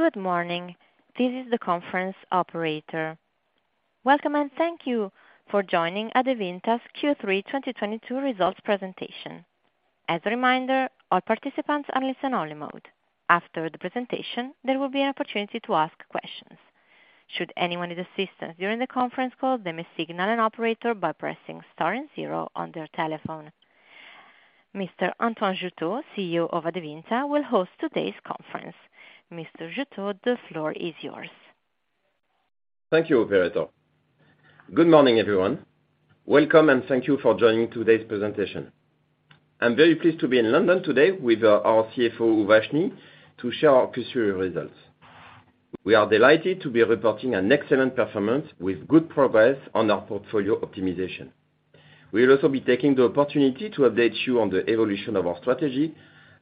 Good morning. This is the conference operator. Welcome, and thank you for joining Adevinta's Q3 2022 results presentation. As a reminder, all participants are in listen-only mode. After the presentation, there will be an opportunity to ask questions. Should anyone need assistance during the conference call, they may signal an operator by pressing star and zero on their telephone. Mr. Antoine Jouteau, CEO of Adevinta, will host today's conference. Mr. Jouteau, the floor is yours. Thank you, operator. Good morning, everyone. Welcome. Thank you for joining today's presentation. I'm very pleased to be in London today with our CFO, Uvashni, to share our Q3 results. We are delighted to be reporting an excellent performance with good progress on our portfolio optimization. We'll also be taking the opportunity to update you on the evolution of our strategy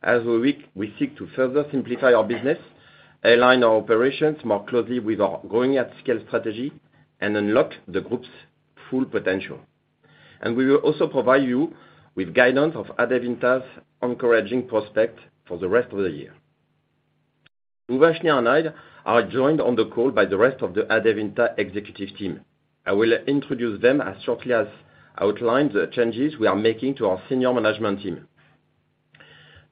as we seek to further simplify our business, align our operations more closely with our growing at scale strategy, and unlock the group's full potential. We will also provide you with guidance of Adevinta's encouraging prospect for the rest of the year. Uwaine Schnie and I are joined on the call by the rest of the Adevinta executive team. I will introduce them as shortly as outline the changes we are making to our senior management team.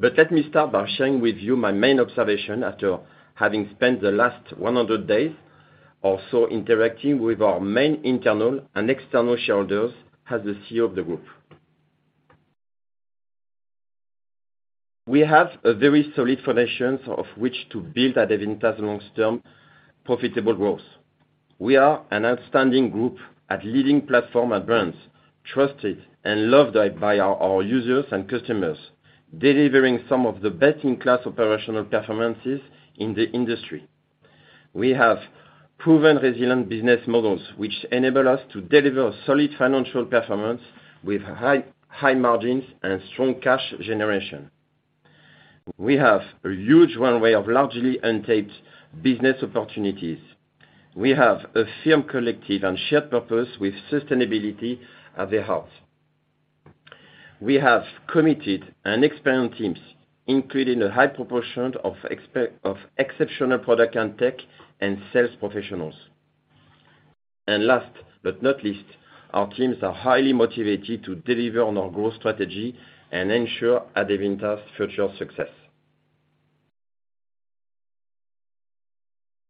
Let me start by sharing with you my main observation after having spent the last 100 days or so interacting with our main internal and external shareholders as the CEO of the group. We have a very solid foundations of which to build Adevinta's long-term profitable growth. We are an outstanding group at leading platform and brands, trusted and loved by our users and customers, delivering some of the best-in-class operational performances in the industry. We have proven resilient business models, which enable us to deliver solid financial performance with high margins and strong cash generation. We have a huge runway of largely untapped business opportunities. We have a firm collective and shared purpose with sustainability at the heart. We have committed and experienced teams, including a high proportion of exceptional product and tech, and sales professionals. Last but not least, our teams are highly motivated to deliver on our growth strategy and ensure Adevinta's future success.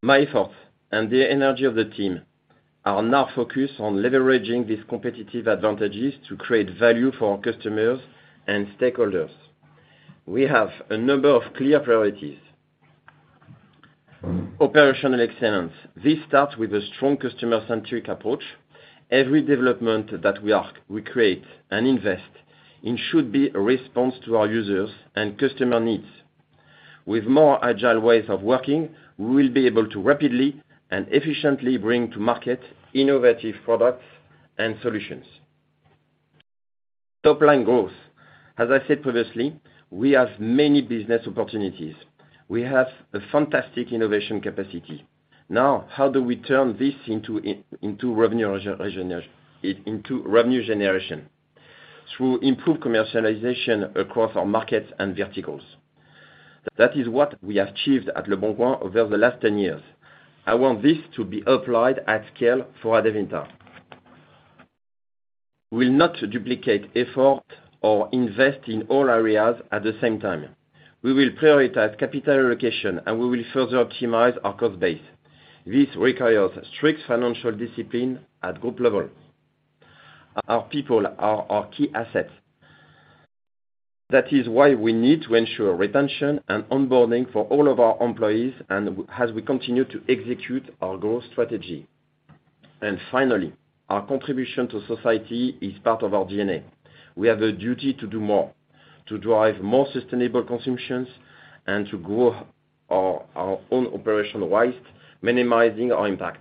My effort and the energy of the team are now focused on leveraging these competitive advantages to create value for our customers and stakeholders. We have a number of clear priorities. Operational excellence. This starts with a strong customer-centric approach. Every development that we create and invest, it should be a response to our users and customer needs. With more agile ways of working, we will be able to rapidly and efficiently bring to market innovative products and solutions. Top line growth. As I said previously, we have many business opportunities. We have a fantastic innovation capacity. How do we turn this into revenue generation? Through improved commercialization across our markets and verticals. That is what we achieved at leboncoin over the last 10 years. I want this to be applied at scale for Adevinta. We'll not duplicate effort or invest in all areas at the same time. We will prioritize capital allocation, and we will further optimize our cost base. This requires strict financial discipline at group level. Our people are our key assets. That is why we need to ensure retention and onboarding for all of our employees as we continue to execute our growth strategy. Finally, our contribution to society is part of our DNA. We have a duty to do more, to drive more sustainable consumptions, and to grow our own operational waste, minimizing our impact.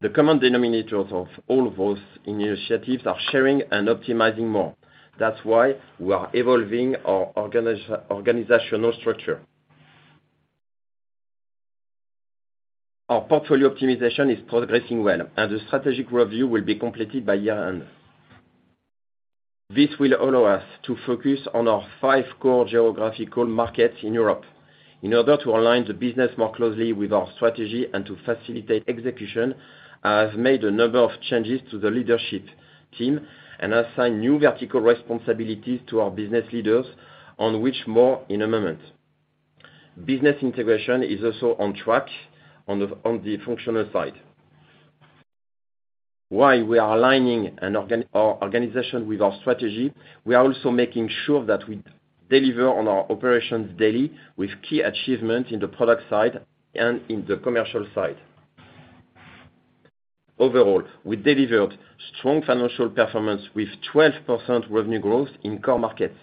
The common denominators of all those initiatives are sharing and optimizing more. That's why we are evolving our organizational structure. Our portfolio optimization is progressing well. The strategic review will be completed by year-end. This will allow us to focus on our 5 core geographical markets in Europe. In order to align the business more closely with our strategy and to facilitate execution, I have made a number of changes to the leadership team and assigned new vertical responsibilities to our business leaders on which more in a moment. Business integration is also on track on the functional side. While we are aligning our organization with our strategy, we are also making sure that we deliver on our operations daily with key achievements in the product side and in the commercial side. Overall, we delivered strong financial performance with 12% revenue growth in core markets.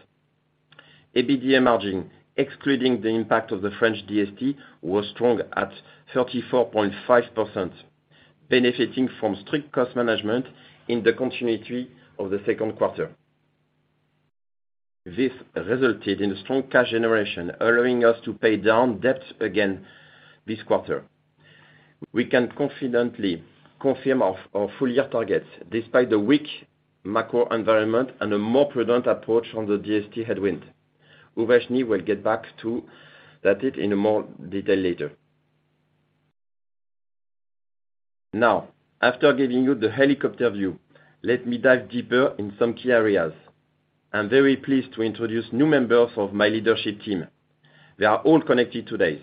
EBITDA margin, excluding the impact of the French DST, was strong at 34.5%, benefiting from strict cost management in the continuity of the second quarter. This resulted in strong cash generation, allowing us to pay down debt again this quarter. We can confidently confirm our full year targets despite the weak macro environment and a more prudent approach on the DST headwind. Urvashi will get back to that in more detail later. Now, after giving you the helicopter view, let me dive deeper in some key areas. I'm very pleased to introduce new members of my leadership team. They are all connected today.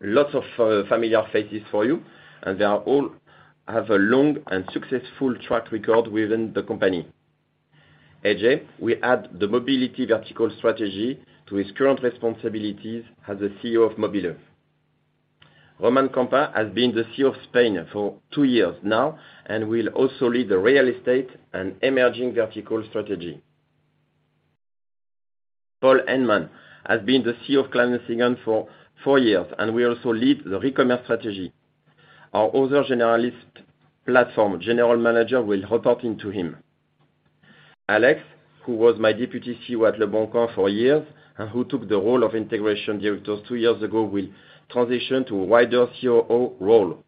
Lots of familiar faces for you, and they are all have a long and successful track record within the company. Ajay, we add the mobility vertical strategy to his current responsibilities as the CEO of mobile.de. Román Campa has been the CEO of Spain for 2 years now and will also lead the real estate and emerging vertical strategy. Paul Heimann has been the CEO of Klein for 4 years, and we also lead the re-commerce strategy. Our other generalist platform general manager will report into him. Alex Alexander, who was my deputy CEO at leboncoin for years, and who took the role of integration director 2 years ago, will transition to a wider COO role,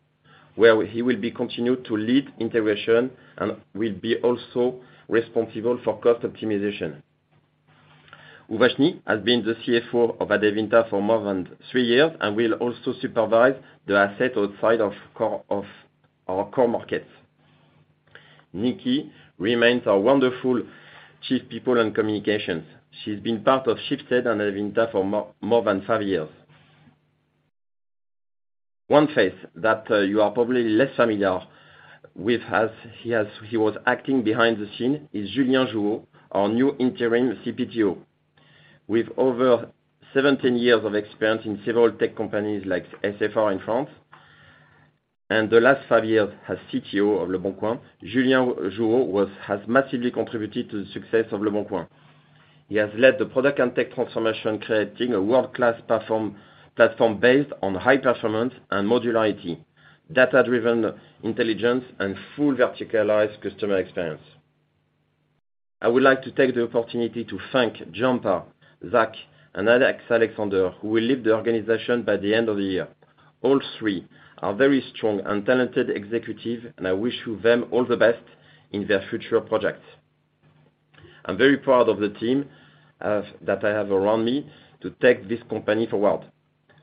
where he will be continued to lead integration and will be also responsible for cost optimization. Urvashi has been the CFO of Adevinta for more than 3 years and will also supervise the asset outside of our core markets. Nikki remains our wonderful Chief People and Communications. She's been part of Shifted and Adevinta for more than 5 years. One face that you are probably less familiar with as he was acting behind the scene is Julien Jouhault, our new interim CPGO. With over 17 years of experience in several tech companies like SFR in France, and the last five years as CTO of leboncoin, Julien Jouhault has massively contributed to the success of leboncoin. He has led the product and tech transformation, creating a world-class platform based on high performance and modularity, data-driven intelligence, and full verticalized customer experience. I would like to take the opportunity to thank Jampa, Zach, and Alex Alexander, who will leave the organization by the end of the year. All three are very strong and talented executive, and I wish them all the best in their future projects. I'm very proud of the team that I have around me to take this company forward.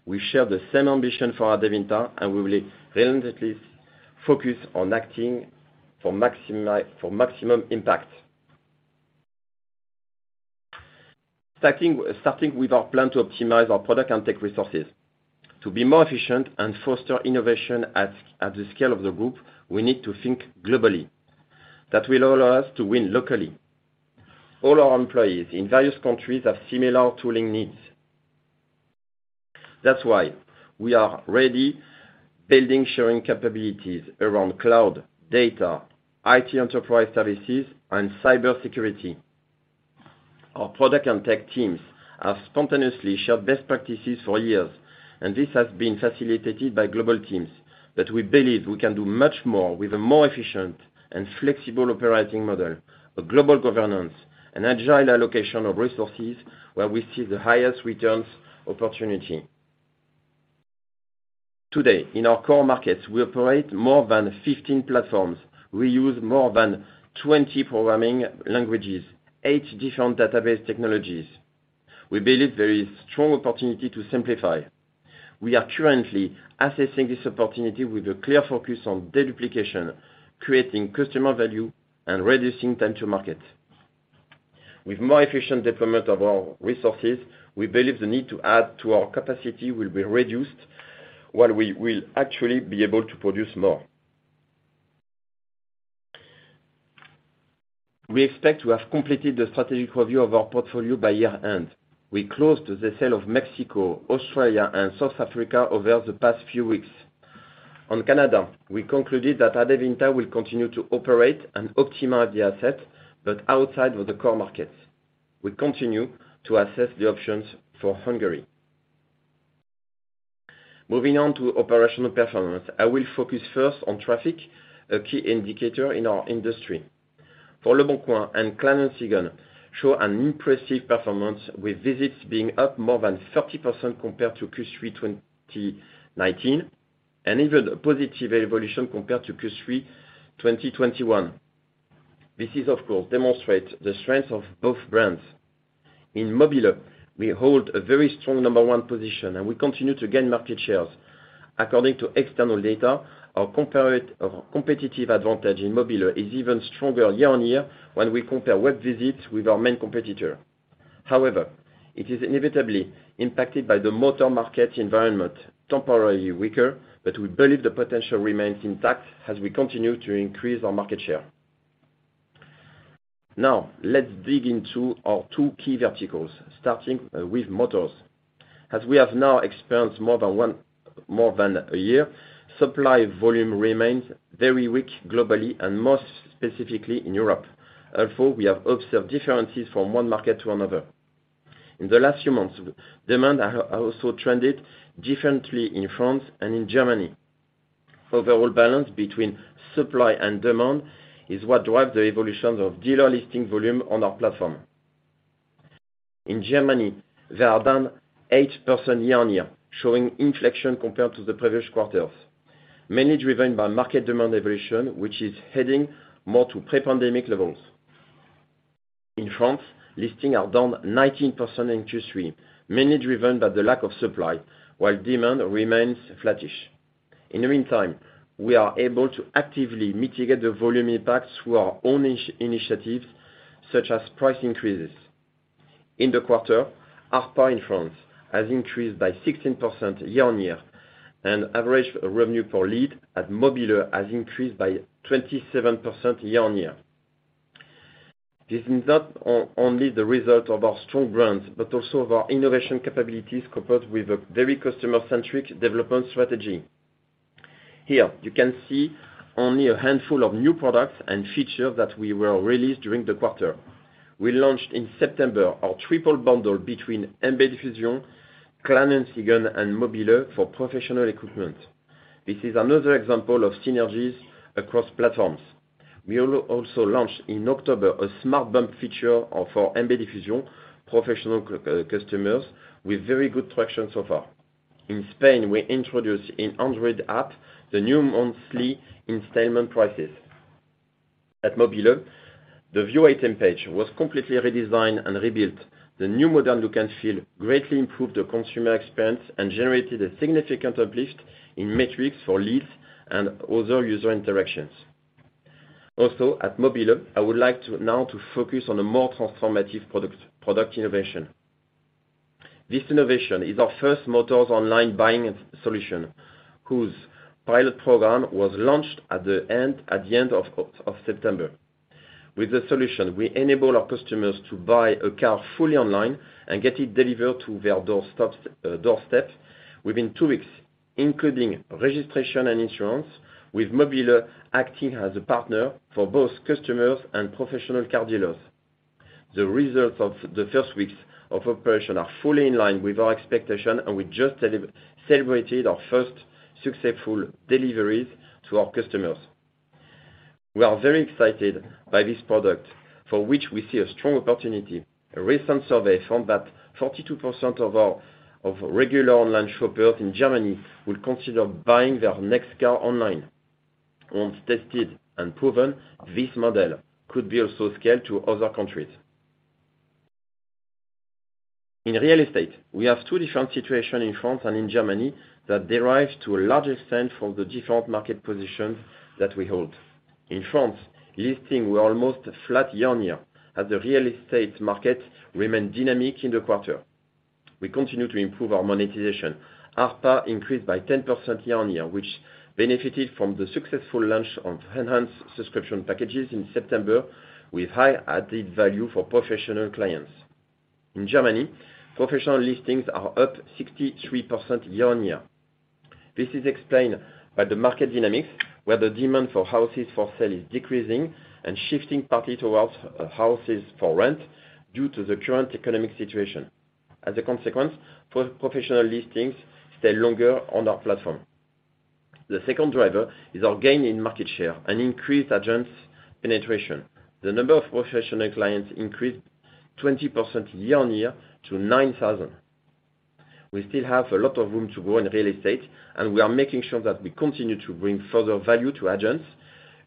We share the same ambition for Adevinta, and we will relentlessly focus on acting for maximum impact. Starting with our plan to optimize our product and tech resources. To be more efficient and foster innovation at the scale of the group, we need to think globally. That will allow us to win locally. All our employees in various countries have similar tooling needs. That's why we are already building sharing capabilities around cloud, data, IT enterprise services, and cybersecurity. Our product and tech teams have spontaneously shared best practices for years. This has been facilitated by global teams that we believe we can do much more with a more efficient and flexible operating model, a global governance, an agile allocation of resources where we see the highest returns opportunity. Today, in our core markets, we operate more than 15 platforms. We use more than 20 programming languages, 8 different database technologies. We believe there is strong opportunity to simplify. We are currently assessing this opportunity with a clear focus on deduplication, creating customer value, and reducing time to market. With more efficient deployment of our resources, we believe the need to add to our capacity will be reduced while we will actually be able to produce more. We expect to have completed the strategic review of our portfolio by year-end. We closed the sale of Mexico, Australia, and South Africa over the past few weeks. On Canada, we concluded that Adevinta will continue to operate and optimize the asset, but outside of the core markets. We continue to assess the options for Hungary. Moving on to operational performance, I will focus first on traffic, a key indicator in our industry. leboncoin and Kleinanzeigen show an impressive performance with visits being up more than 30% compared to Q3 2019, and even a positive evolution compared to Q3 2021. This is, of course, demonstrate the strength of both brands. In mobile.de, we hold a very strong number one position, and we continue to gain market shares. According to external data, our competitive advantage in mobile.de is even stronger year-on-year when we compare web visits with our main competitor. It is inevitably impacted by the motor market environment, temporarily weaker, but we believe the potential remains intact as we continue to increase our market share. Let's dig into our two key verticals, starting with motors. As we have now experienced more than 1 year, supply volume remains very weak globally, and most specifically in Europe. We have observed differences from one market to another. In the last few months, demand also trended differently in France and in Germany. Overall balance between supply and demand is what drives the evolutions of dealer listing volume on our platform. In Germany, they are down 8% year-on-year, showing inflection compared to the previous quarters, mainly driven by market demand evolution, which is heading more to pre-pandemic levels. In France, listings are down 19% in Q3, mainly driven by the lack of supply, while demand remains flattish. In the meantime, we are able to actively mitigate the volume impacts through our own in-initiative, such as price increases. In the quarter, ARPA in France has increased by 16% year-on-year, and average revenue per lead at mobile.de has increased by 27% year-on-year. This is not only the result of our strong brands, but also of our innovation capabilities, coupled with a very customer-centric development strategy. Here you can see only a handful of new products and features that we were released during the quarter. We launched in September our triple bundle between MB Diffusion, Kleinanzeigen, and Mobile for professional equipment. This is another example of synergies across platforms. We also launched in October a Smart bump feature of our MB Diffusion professional customers with very good traction so far. In Spain, we introduced an Android app, the new monthly installment prices. At Mobile, the view item page was completely redesigned and rebuilt. The new modern look and feel greatly improved the consumer experience and generated a significant uplift in metrics for leads and other user interactions. At mobile.de, I would like to now focus on a more transformative product innovation. This innovation is our first motors online buying solution, whose pilot program was launched at the end of September. With the solution, we enable our customers to buy a car fully online and get it delivered to their doorstep within 2 weeks, including registration and insurance, with mobile.de acting as a partner for both customers and professional car dealers. The results of the first weeks of operation are fully in line with our expectation, and we just celebrated our first successful deliveries to our customers. We are very excited by this product, for which we see a strong opportunity. A recent survey found that 42% of regular online shoppers in Germany would consider buying their next car online. Once tested and proven, this model could be also scaled to other countries. In real estate, we have two different situations in France and in Germany that derives to a large extent from the different market positions that we hold. In France, listings were almost flat year-on-year as the real estate market remained dynamic in the quarter. We continue to improve our monetization. ARPA increased by 10% year-on-year, which benefited from the successful launch of enhanced subscription packages in September with high added value for professional clients. In Germany, professional listings are up 63% year-on-year. This is explained by the market dynamics, where the demand for houses for sale is decreasing and shifting partly towards houses for rent due to the current economic situation. As a consequence, professional listings stay longer on our platform. The second driver is our gain in market share and increased agents' penetration. The number of professional clients increased 20% year-on-year to 9,000. We still have a lot of room to grow in real estate, and we are making sure that we continue to bring further value to agents,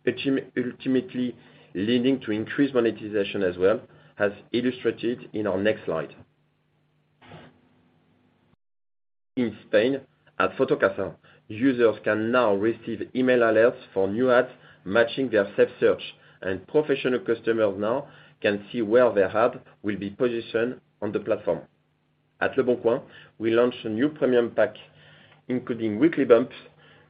ultimately leading to increased monetization as well, as illustrated in our next slide. In Spain, at Fotocasa, users can now receive email alerts for new ads matching their saved search, and professional customers now can see where their ad will be positioned on the platform. At leboncoin, we launched a new premium pack, including weekly bumps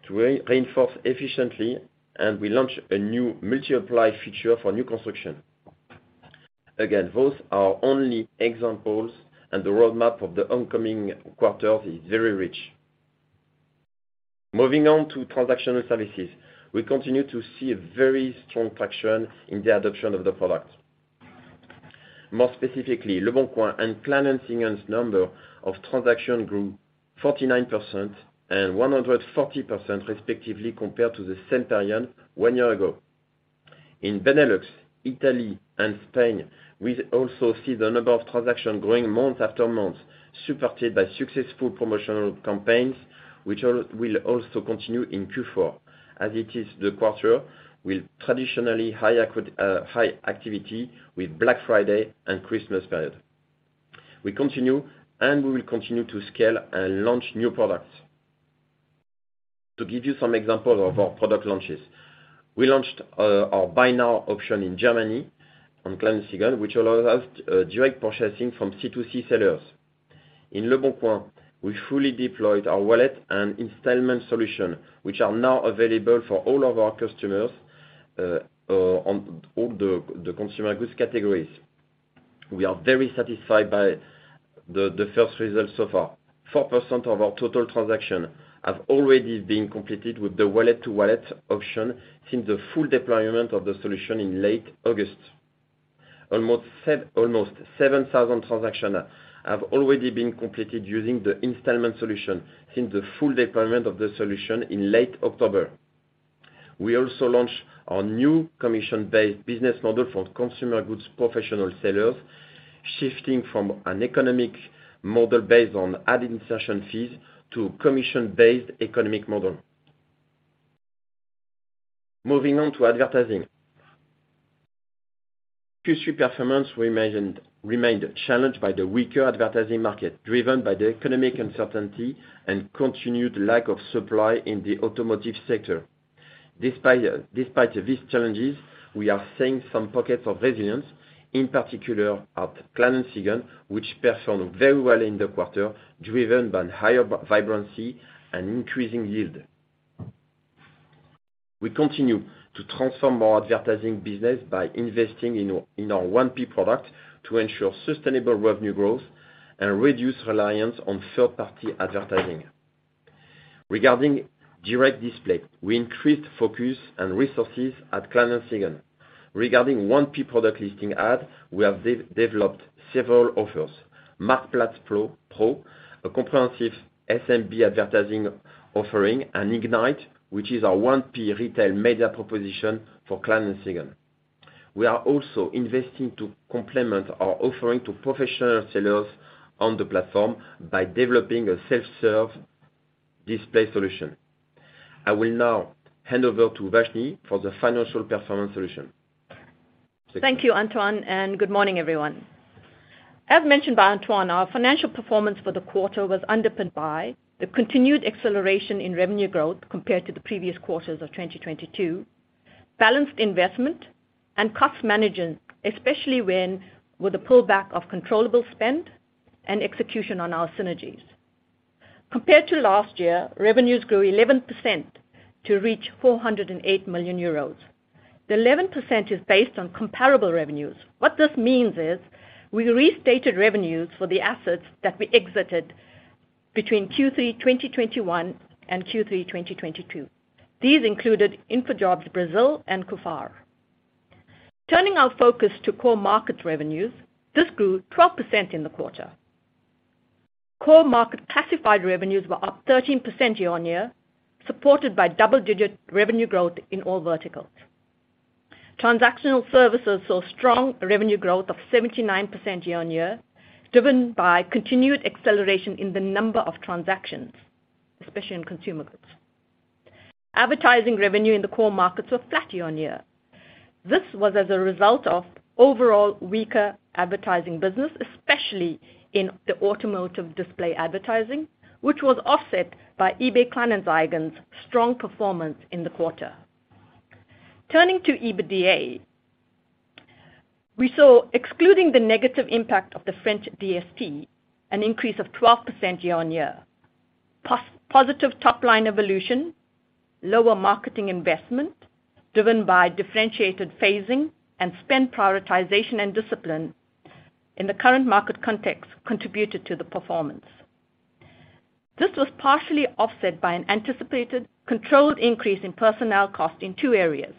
to reinforce efficiently, and we launched a new multi-apply feature for new construction. Again, those are only examples, and the roadmap of the oncoming quarters is very rich. Moving on to transactional services, we continue to see a very strong traction in the adoption of the product. More specifically, leboncoin and Kleinanzeigen's number of transaction grew 49% and 140% respectively compared to the same period one year ago. In Benelux, Italy, and Spain, we also see the number of transaction growing month after month, supported by successful promotional campaigns, which will also continue in Q4, as it is the quarter with traditionally higher high activity with Black Friday and Christmas period. We continue, we will continue to scale and launch new products. To give you some example of our product launches, we launched our Buy Now option in Germany on Kleinanzeigen, which allows us direct purchasing from C2C sellers. In leboncoin, we fully deployed our wallet and installment solution, which are now available for all of our customers on all the consumer goods categories. We are very satisfied by the first results so far. 4% of our total transaction have already been completed with the wallet-to-wallet option since the full deployment of the solution in late August. Almost 7,000 transaction have already been completed using the installment solution since the full deployment of the solution in late October. We also launched our new commission-based business model for consumer goods professional sellers, shifting from an economic model based on ad insertion fees to commission-based economic model. Moving on to advertising. Q3 performance remained challenged by the weaker advertising market, driven by the economic uncertainty and continued lack of supply in the automotive sector. Despite these challenges, we are seeing some pockets of resilience, in particular at Kleinanzeigen, which performed very well in the quarter, driven by higher vibrancy and increasing yield. We continue to transform our advertising business by investing in our 1P product to ensure sustainable revenue growth and reduce reliance on third-party advertising. Regarding direct display, we increased focus and resources at Kleinanzeigen. Regarding 1P product listing ad, we have de-developed several offers. Marktplatz Pro, a comprehensive SMB advertising offering, and Ignite, which is our 1P retail media proposition for Kleinanzeigen. We are also investing to complement our offering to professional sellers on the platform by developing a self-serve display solution. I will now hand over to Uvashni for the financial performance solution. Thank you, Antoine, and good morning, everyone. As mentioned by Antoine, our financial performance for the quarter was underpinned by the continued acceleration in revenue growth compared to the previous quarters of 2022, balanced investment and cost management, especially when with the pullback of controllable spend and execution on our synergies. Compared to last year, revenues grew 11% to reach 408 million euros. The 11% is based on comparable revenues. What this means is we restated revenues for the assets that we exited between Q3 2021 and Q3 2022. These included InfoJobs Brazil and Koofar. Turning our focus to core market revenues, this grew 12% in the quarter. Core market classified revenues were up 13% year-on-year, supported by double-digit revenue growth in all verticals. Transactional services saw strong revenue growth of 79% year-on-year, driven by continued acceleration in the number of transactions, especially in consumer goods. Advertising revenue in the core markets were flat year-on-year. This was as a result of overall weaker advertising business, especially in the automotive display advertising, which was offset by eBay Kleinanzeigen's strong performance in the quarter. Turning to EBITDA. We saw, excluding the negative impact of the French DST, an increase of 12% year-on-year. Positive top-line evolution, lower marketing investment, driven by differentiated phasing and spend prioritization and discipline in the current market context contributed to the performance. This was partially offset by an anticipated controlled increase in personnel cost in two areas.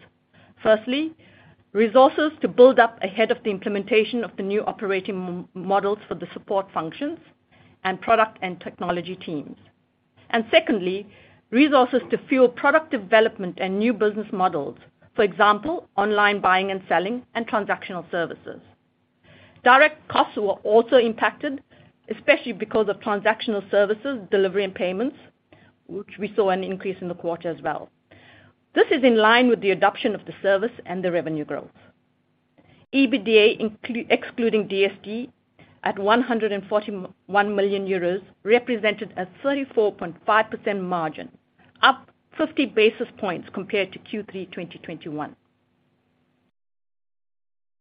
Firstly, resources to build up ahead of the implementation of the new operating models for the support functions and product and technology teams. Secondly, resources to fuel product development and new business models. For example, online buying and selling and transactional services. Direct costs were also impacted, especially because of transactional services, delivery, and payments, which we saw an increase in the quarter as well. This is in line with the adoption of the service and the revenue growth. EBITDA excluding DST at 141 million euros, represented a 34.5% margin, up 50 basis points compared to Q3 2021.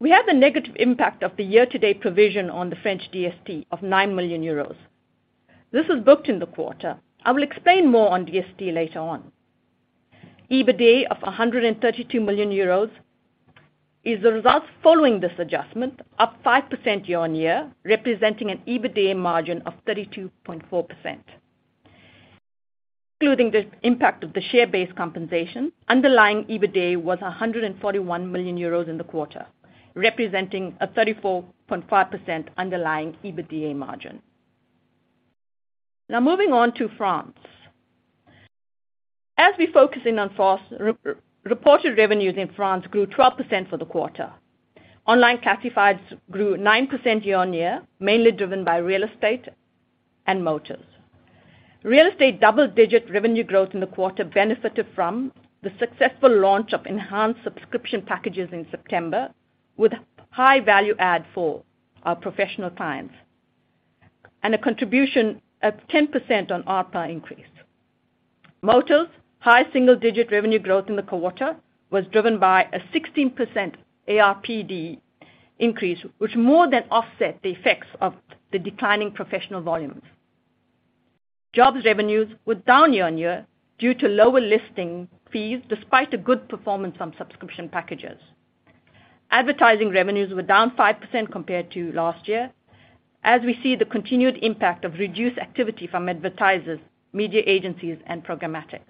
We have the negative impact of the year-to-date provision on the French DST of 9 million euros. This was booked in the quarter. I will explain more on DST later on. EBITDA of EUR 132 million is the result following this adjustment, up 5% year-on-year, representing an EBITDA margin of 32.4%. Including the impact of the share-based compensation, underlying EBITDA was 141 million euros in the quarter, representing a 34.5% underlying EBITDA margin. Now moving on to France. As we focus in on France, re-reported revenues in France grew 12% for the quarter. Online classifieds grew 9% year-on-year, mainly driven by real estate and motors. Real estate double-digit revenue growth in the quarter benefited from the successful launch of enhanced subscription packages in September, with high value add for our professional clients, and a contribution of 10% on ARPA increase. Motors' high single-digit revenue growth in the quarter was driven by a 16% ARPD increase, which more than offset the effects of the declining professional volumes. Jobs revenues were down year-on-year due to lower listing fees, despite a good performance on subscription packages. Advertising revenues were down 5% compared to last year, as we see the continued impact of reduced activity from advertisers, media agencies, and programmatic.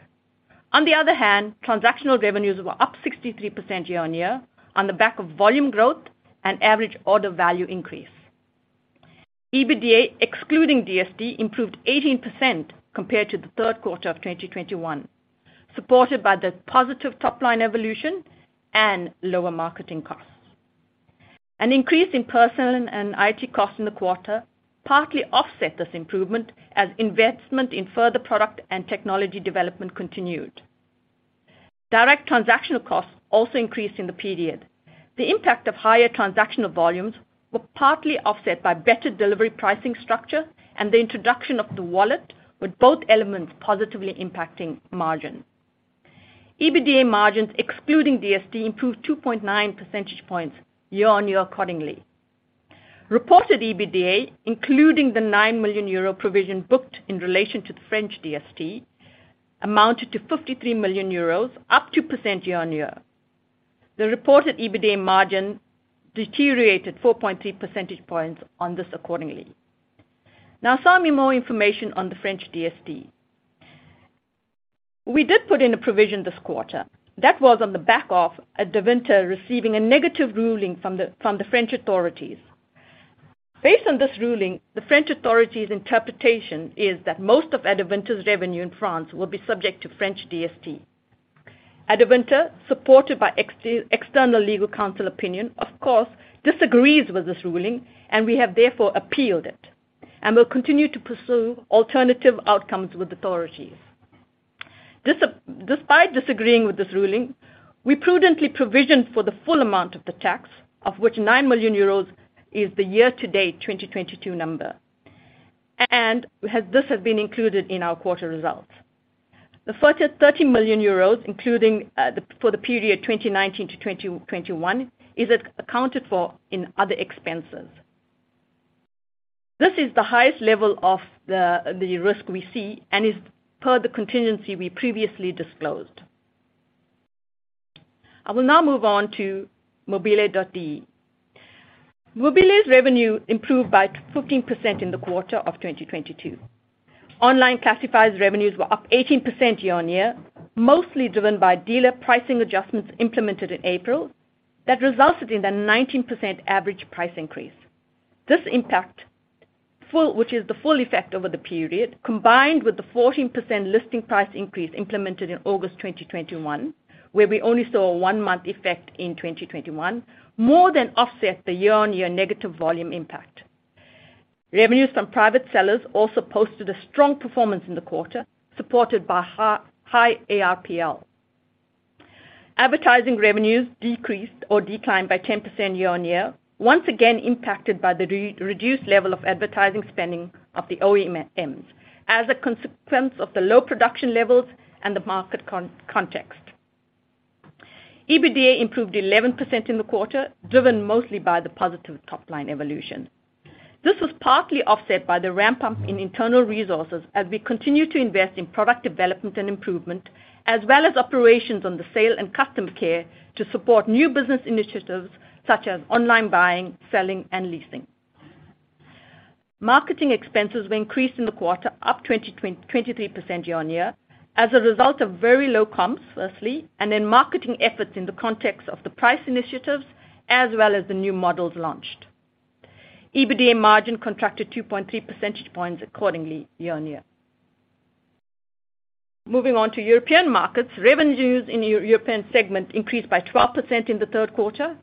On the other hand, transactional revenues were up 63% year-on-year on the back of volume growth and average order value increase. EBITDA, excluding DST, improved 18% compared to the third quarter of 2021, supported by the positive top-line evolution and lower marketing costs. An increase in personal and IT costs in the quarter partly offset this improvement as investment in further product and technology development continued. Direct transactional costs also increased in the period. The impact of higher transactional volumes were partly offset by better delivery pricing structure and the introduction of the wallet, with both elements positively impacting margins. EBITDA margins, excluding DST, improved 2.9 percentage points year-on-year accordingly. Reported EBITDA, including the 9 million euro provision booked in relation to the French DST, amounted to 53 million euros, up 2% year-on-year. The reported EBITDA margin deteriorated 4.3 percentage points on this accordingly. Some even more information on the French DST. We did put in a provision this quarter that was on the back of Adevinta receiving a negative ruling from the French authorities. Based on this ruling, the French authorities interpretation is that most of Adevinta's revenue in France will be subject to French DST. Adevinta, supported by ex-external legal counsel opinion, of course, disagrees with this ruling, and we have therefore appealed it, and will continue to pursue alternative outcomes with authorities. Despite disagreeing with this ruling, we prudently provisioned for the full amount of the tax, of which 9 million euros is the year-to-date 2022 number. This has been included in our quarter results. The further 30 million euros, including for the period 2019 to 2021, is accounted for in other expenses. This is the highest level of the risk we see and is per the contingency we previously disclosed. I will now move on to mobile.de. mobile.de's revenue improved by 15% in the quarter of 2022. Online classifieds revenues were up 18% year-on-year, mostly driven by dealer pricing adjustments implemented in April that resulted in a 19% average price increase. This impact, which is the full effect over the period, combined with the 14% listing price increase implemented in August 2021, where we only saw a 1-month effect in 2021, more than offset the year-on-year negative volume impact. Revenues from private sellers also posted a strong performance in the quarter, supported by high ARPL. Advertising revenues decreased or declined by 10% year-on-year, once again impacted by the reduced level of advertising spending of the OEMs as a consequence of the low production levels and the market context. EBITDA improved 11% in the quarter, driven mostly by the positive top-line evolution. This was partly offset by the ramp-up in internal resources as we continue to invest in product development and improvement, as well as operations on the sale and customer care to support new business initiatives such as online buying, selling, and leasing. Marketing expenses were increased in the quarter, up 23% year-on-year, as a result of very low comps, firstly, and then marketing efforts in the context of the price initiatives as well as the new models launched. EBITDA margin contracted 2.3 percentage points accordingly year-on-year. Moving on to European markets, revenues in European segment increased by 12% in the third quarter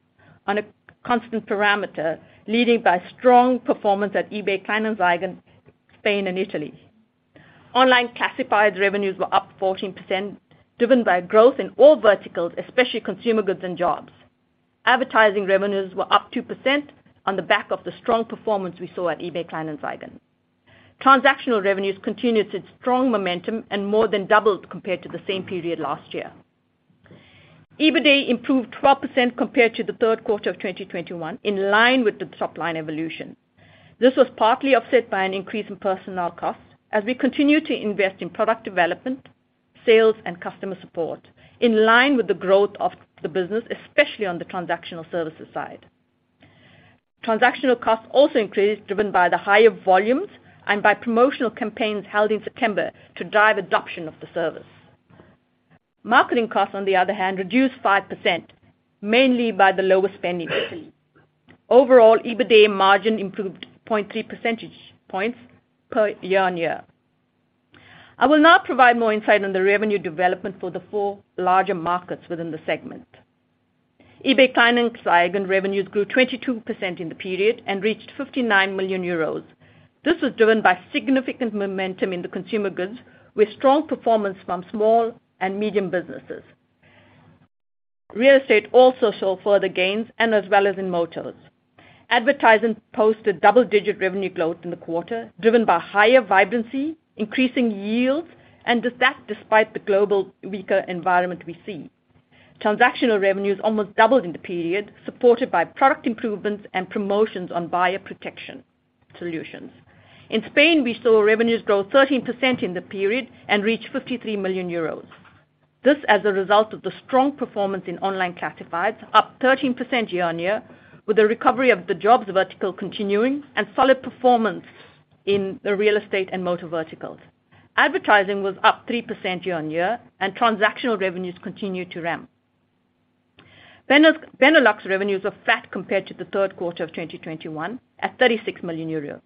on a constant parameter, leading by strong performance at eBay Kleinanzeigen, Spain, and Italy. Online classified revenues were up 14%, driven by growth in all verticals, especially consumer goods and jobs. Advertising revenues were up 2% on the back of the strong performance we saw at eBay Kleinanzeigen. Transactional revenues continued its strong momentum and more than doubled compared to the same period last year. EBITDA improved 12% compared to the third quarter of 2021, in line with the top-line evolution. This was partly offset by an increase in personnel costs as we continue to invest in product development, sales, and customer support in line with the growth of the business, especially on the transactional services side. Transactional costs also increased, driven by the higher volumes and by promotional campaigns held in September to drive adoption of the service. Marketing costs, on the other hand, reduced 5%, mainly by the lower spending we see. Overall, EBITDA margin improved 0.3 percentage points year-on-year. I will now provide more insight on the revenue development for the four larger markets within the segment. eBay Kleinanzeigen revenues grew 22% in the period and reached 59 million euros. This was driven by significant momentum in the consumer goods, with strong performance from small and medium businesses. Real estate also saw further gains and as well as in motors. Advertising posted double-digit revenue growth in the quarter, driven by higher vibrancy, increasing yields, and that despite the global weaker environment we see. Transactional revenues almost doubled in the period, supported by product improvements and promotions on buyer protection solutions. In Spain, we saw revenues grow 13% in the period and reach 53 million euros. This as a result of the strong performance in online classifieds, up 13% year-on-year, with the recovery of the jobs vertical continuing and solid performance in the real estate and motor verticals. Advertising was up 3% year-on-year, and transactional revenues continued to ramp. Benelux revenues are flat compared to the third quarter of 2021 at 36 million euros.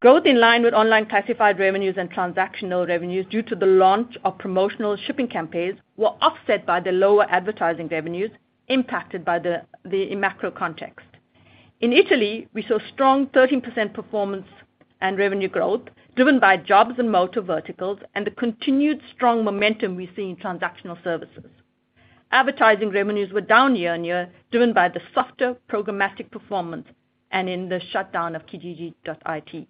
Growth in line with online classified revenues and transactional revenues due to the launch of promotional shipping campaigns were offset by the lower advertising revenues impacted by the macro context. In Italy, we saw strong 13% performance and revenue growth, driven by jobs and motor verticals and the continued strong momentum we see in transactional services. Advertising revenues were down year-on-year, driven by the softer programmatic performance and in the shutdown of Kijiji.it.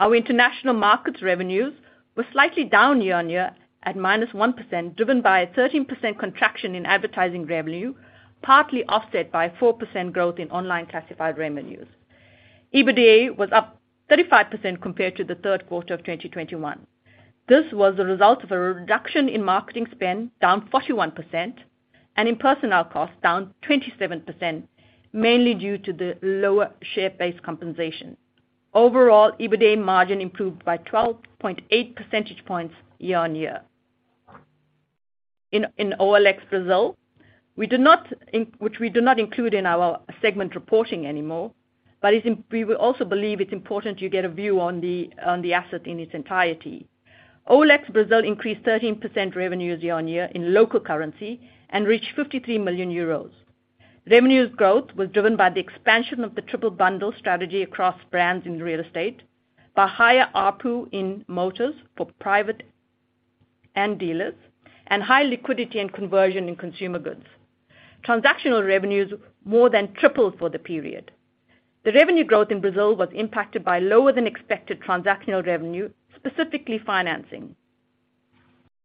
Our international markets revenues were slightly down year-on-year at minus 1%, driven by a 13% contraction in advertising revenue, partly offset by 4% growth in online classified revenues. EBITDA was up 35% compared to the third quarter of 2021. This was a result of a reduction in marketing spend down 41% and in personnel costs down 27%, mainly due to the lower share-based compensation. Overall, EBITDA margin improved by 12.8 percentage points year-on-year. In OLX Brazil, we do not include in our segment reporting anymore, but we will also believe it's important you get a view on the asset in its entirety. OLX Brazil increased 13% revenues year-on-year in local currency and reached 53 million euros. Revenues growth was driven by the expansion of the triple bundle strategy across brands in real estate, by higher ARPU in motors for private and dealers, and high liquidity and conversion in consumer goods. Transactional revenues more than tripled for the period. The revenue growth in Brazil was impacted by lower than expected transactional revenue, specifically financing.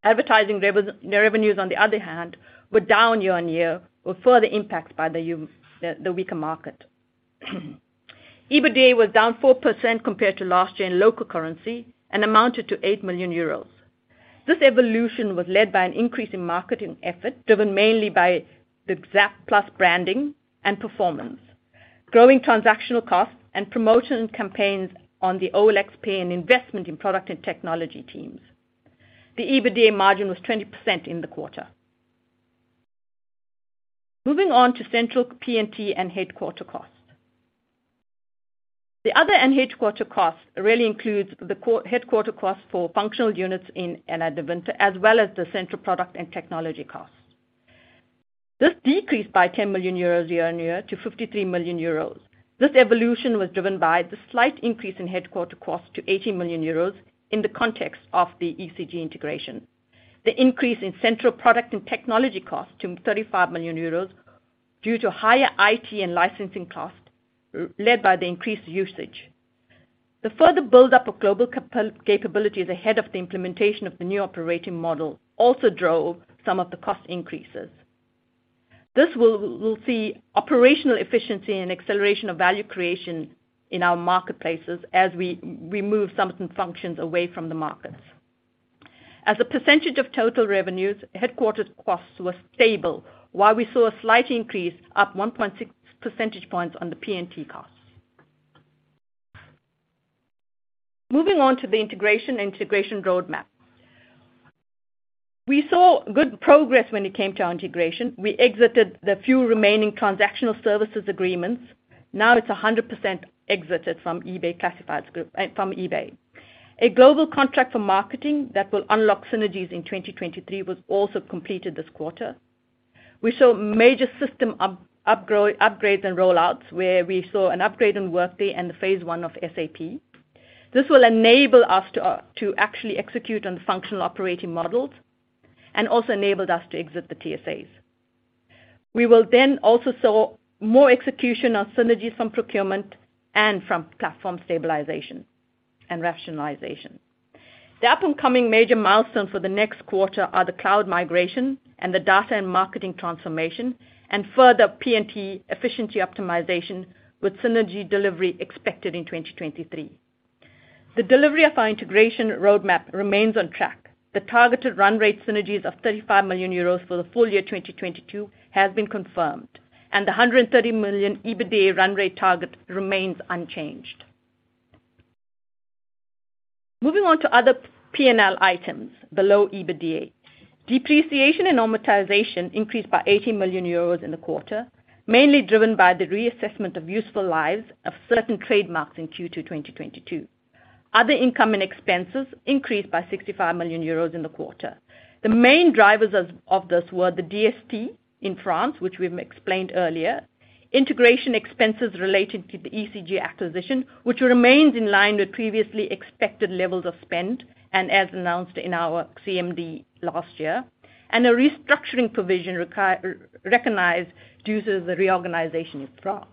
Advertising revenues, on the other hand, were down year-on-year or further impacted by the weaker market. EBITDA was down 4% compared to last year in local currency and amounted to 8 million euros. This evolution was led by an increase in marketing effort, driven mainly by the ZAP+ branding and performance, growing transactional costs and promotion campaigns on the OLX Pay and investment in product and technology teams. The EBITDA margin was 20% in the quarter. Moving on to central P&T and headquarter costs. The other and headquarter costs really includes the headquarter costs for functional units in Adevinta, as well as the central product and technology costs. This decreased by 10 million euros year-on-year to 53 million euros. This evolution was driven by the slight increase in headquarter costs to 80 million euros in the context of the eCG integration. The increase in central product and technology costs to 35 million euros due to higher IT and licensing costs led by the increased usage. The further buildup of global capabilities ahead of the implementation of the new operating model also drove some of the cost increases. This will see operational efficiency and acceleration of value creation in our marketplaces as we remove some functions away from the markets. As a percentage of total revenues, headquarters costs were stable, while we saw a slight increase up 1.6 percentage points on the P&T costs. Moving on to the integration and integration roadmap. We saw good progress when it came to our integration. We exited the few remaining transactional services agreements. Now it's 100% exited from eBay Classifieds Group and from eBay. A global contract for marketing that will unlock synergies in 2023 was also completed this quarter. We saw major system upgrades and rollouts, where we saw an upgrade in Workday and the phase 1 of SAP. This will enable us to actually execute on the functional operating models and also enabled us to exit the TSAs. We will then also saw more execution on synergies from procurement and from platform stabilization and rationalization. The upcoming major milestone for the next quarter are the cloud migration and the data and marketing transformation and further P&T efficiency optimization with synergy delivery expected in 2023. The delivery of our integration roadmap remains on track. The targeted run rate synergies of 35 million euros for the full year 2022 has been confirmed. The 130 million EBITDA run rate target remains unchanged. Moving on to other P&L items below EBITDA. Depreciation and amortization increased by 80 million euros in the quarter, mainly driven by the reassessment of useful lives of certain trademarks in Q2 2022. Other income and expenses increased by 65 million euros in the quarter. The main drivers of this were the DST in France, which we've explained earlier. Integration expenses related to the eCG acquisition, which remains in line with previously expected levels of spend and as announced in our CMD last year. A restructuring provision recognized due to the reorganization in France.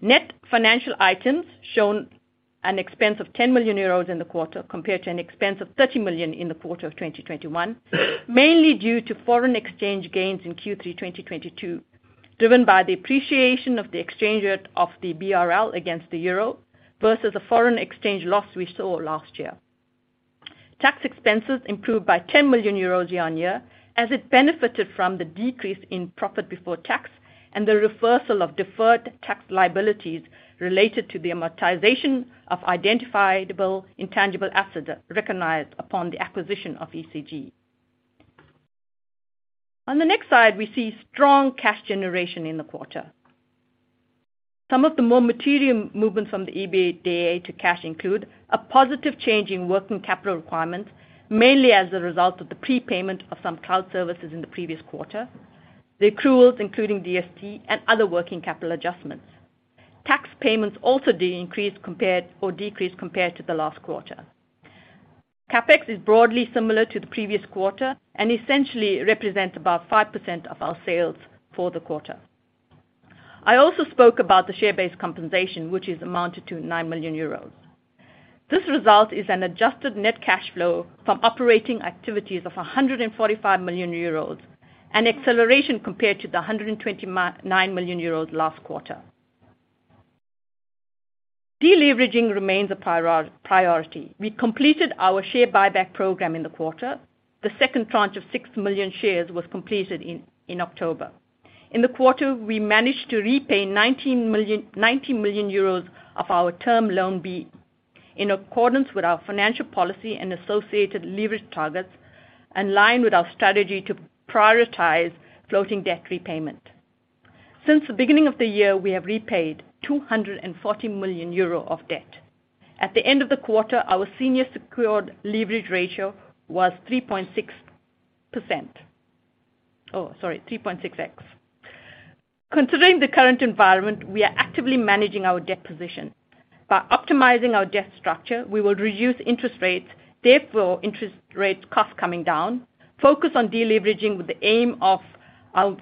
Net financial items shown an expense of 10 million euros in the quarter compared to an expense of 30 million in the quarter of 2021, mainly due to foreign exchange gains in Q3 2022, driven by the appreciation of the exchange rate of the BRL against the euro versus a foreign exchange loss we saw last year. Tax expenses improved by 10 million euros year-on-year as it benefited from the decrease in profit before tax. The reversal of deferred tax liabilities related to the amortization of identifiable intangible assets recognized upon the acquisition of eCG. On the next slide, we see strong cash generation in the quarter. Some of the more material movements from the EBITDA to cash include a positive change in working capital requirements, mainly as a result of the prepayment of some cloud services in the previous quarter, the accruals, including DST and other working capital adjustments. Tax payments also decreased compared to the last quarter. CapEx is broadly similar to the previous quarter and essentially represents about 5% of our sales for the quarter. I also spoke about the share-based compensation, which is amounted to 9 million euros. This result is an adjusted net cash flow from operating activities of 145 million euros, an acceleration compared to 129 million euros last quarter. Deleveraging remains a priority. We completed our share buyback program in the quarter. The second tranche of 6 million shares was completed in October. In the quarter, we managed to repay 19 million, 90 million euros of our Term Loan B in accordance with our financial policy and associated leverage targets, in line with our strategy to prioritize floating debt repayment. Since the beginning of the year, we have repaid 240 million euro of debt. At the end of the quarter, our senior secured leverage ratio was 3.6%. Oh, sorry, 3.6x. Considering the current environment, we are actively managing our debt position. By optimizing our debt structure, we will reduce interest rates, therefore, interest rates cost coming down, focus on deleveraging with the aim of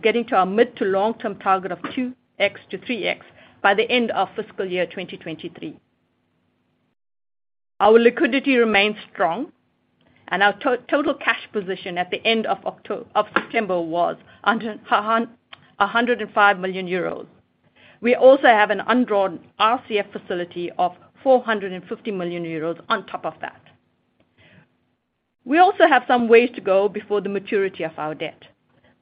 getting to our mid to long-term target of 2x-3x by the end of fiscal year 2023. Our liquidity remains strong and our total cash position at the end of September was 105 million euros. We also have an undrawn RCF facility of 450 million euros on top of that. We also have some ways to go before the maturity of our debt.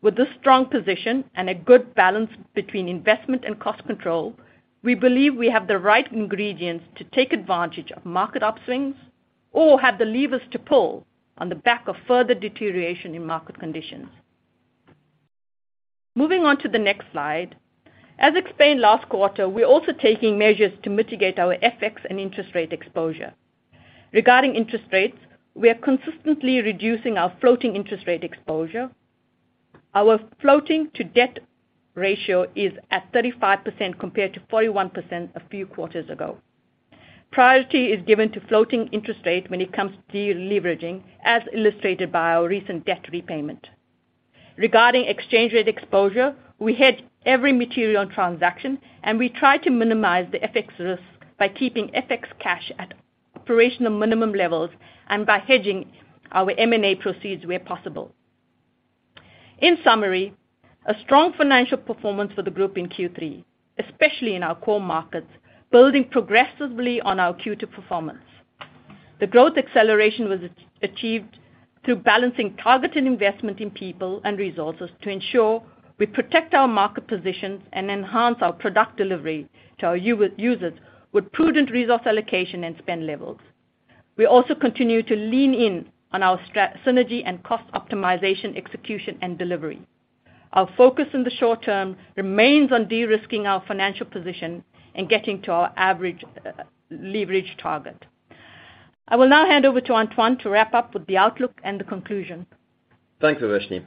With this strong position and a good balance between investment and cost control, we believe we have the right ingredients to take advantage of market upswings or have the levers to pull on the back of further deterioration in market conditions. Moving on to the next slide. As explained last quarter, we're also taking measures to mitigate our FX and interest rate exposure. Regarding interest rates, we are consistently reducing our floating interest rate exposure. Our floating-to-debt ratio is at 35% compared to 41% a few quarters ago. Priority is given to floating interest rate when it comes to deleveraging, as illustrated by our recent debt repayment. Regarding exchange rate exposure, we hedge every material transaction. We try to minimize the FX risk by keeping FX cash at operational minimum levels and by hedging our M&A proceeds where possible. In summary, a strong financial performance for the group in Q3, especially in our core markets, building progressively on our Q2 performance. The growth acceleration was achieved through balancing targeted investment in people and resources to ensure we protect our market positions and enhance our product delivery to our users with prudent resource allocation and spend levels. We also continue to lean in on our synergy and cost optimization, execution and delivery. Our focus in the short term remains on de-risking our financial position and getting to our average leverage target. I will now hand over to Antoine to wrap up with the outlook and the conclusion. Thank you, Uvashni.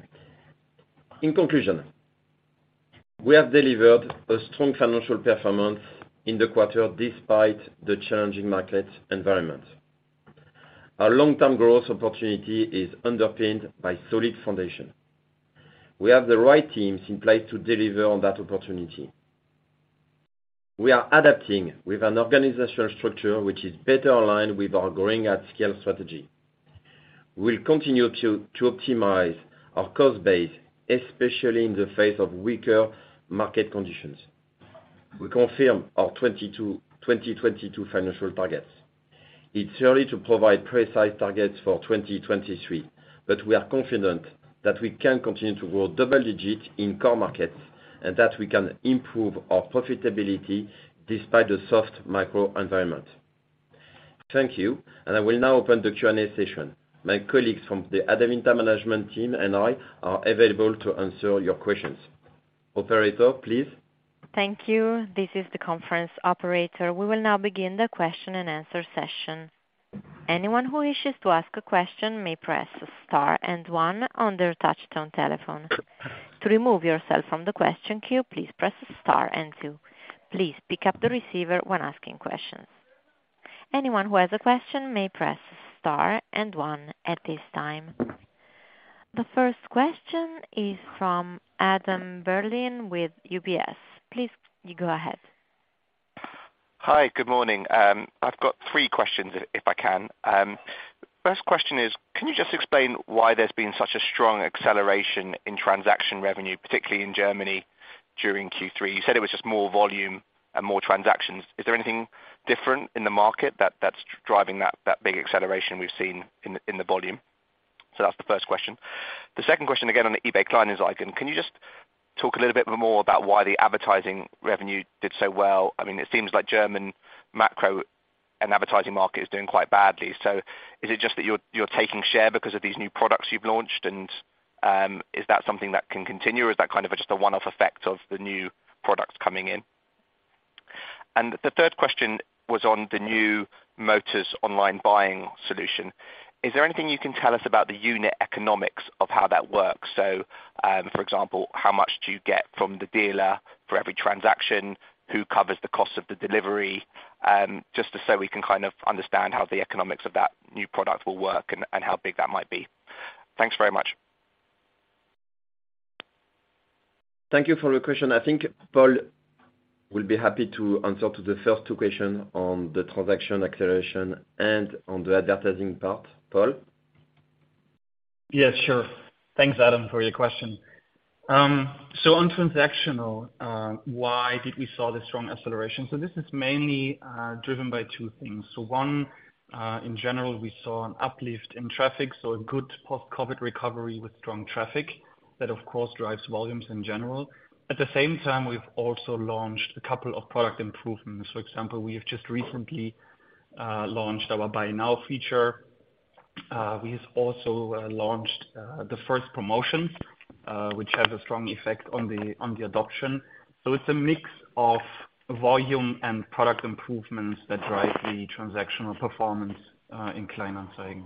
In conclusion, we have delivered a strong financial performance in the quarter despite the challenging market environment. Our long-term growth opportunity is underpinned by solid foundation. We have the right teams in place to deliver on that opportunity. We are adapting with an organizational structure which is better aligned with our growing at scale strategy. We'll continue to optimize our cost base, especially in the face of weaker market conditions. We confirm our 2022 financial targets. It's early to provide precise targets for 2023, but we are confident that we can continue to grow double digits in core markets and that we can improve our profitability despite the soft microenvironment. Thank you. I will now open the Q&A session. My colleagues from the Adevinta management team and I are available to answer your questions. Operator, please. Thank you. This is the conference operator. We will now begin the question-and-answer session. Anyone who wishes to ask a question may press star and one on their touchtone telephone. To remove yourself from the question queue, please press star and two. Please pick up the receiver when asking questions. Anyone who has a question may press star and one at this time. The first question is from Adam Berlin with UBS. Please, go ahead. Hi, good morning. I've got 3 questions if I can. First question is, can you just explain why there's been such a strong acceleration in transaction revenue, particularly in Germany during Q3? You said it was just more volume and more transactions. Is there anything different in the market that's driving that big acceleration we've seen in the volume? That's the first question. The second question again on the eBay Kleinanzeigen. Can you just talk a little bit more about why the advertising revenue did so well? I mean, it seems like German macro and advertising market is doing quite badly. Is it just that you're taking share because of these new products you've launched? Is that something that can continue, or is that kind of just a one-off effect of the new products coming in? The third question was on the new motors online buying solution. Is there anything you can tell us about the unit economics of how that works? For example, how much do you get from the dealer for every transaction? Who covers the cost of the delivery? Just so we can kind of understand how the economics of that new product will work and how big that might be. Thanks very much. Thank you for the question. I think Paul will be happy to answer to the first two questions on the transaction acceleration and on the advertising part. Paul? Yeah, sure. Thanks, Adam, for your question. On transactional, why did we saw the strong acceleration? This is mainly driven by two things. One, in general, we saw an uplift in traffic, so a good post-COVID recovery with strong traffic that, of course, drives volumes in general. At the same time, we've also launched a couple of product improvements. For example, we have just recently launched our Buy Now feature. We've also launched the first promotions, which has a strong effect on the adoption. It's a mix of volume and product improvements that drive the transactional performance in Kleinanzeigen.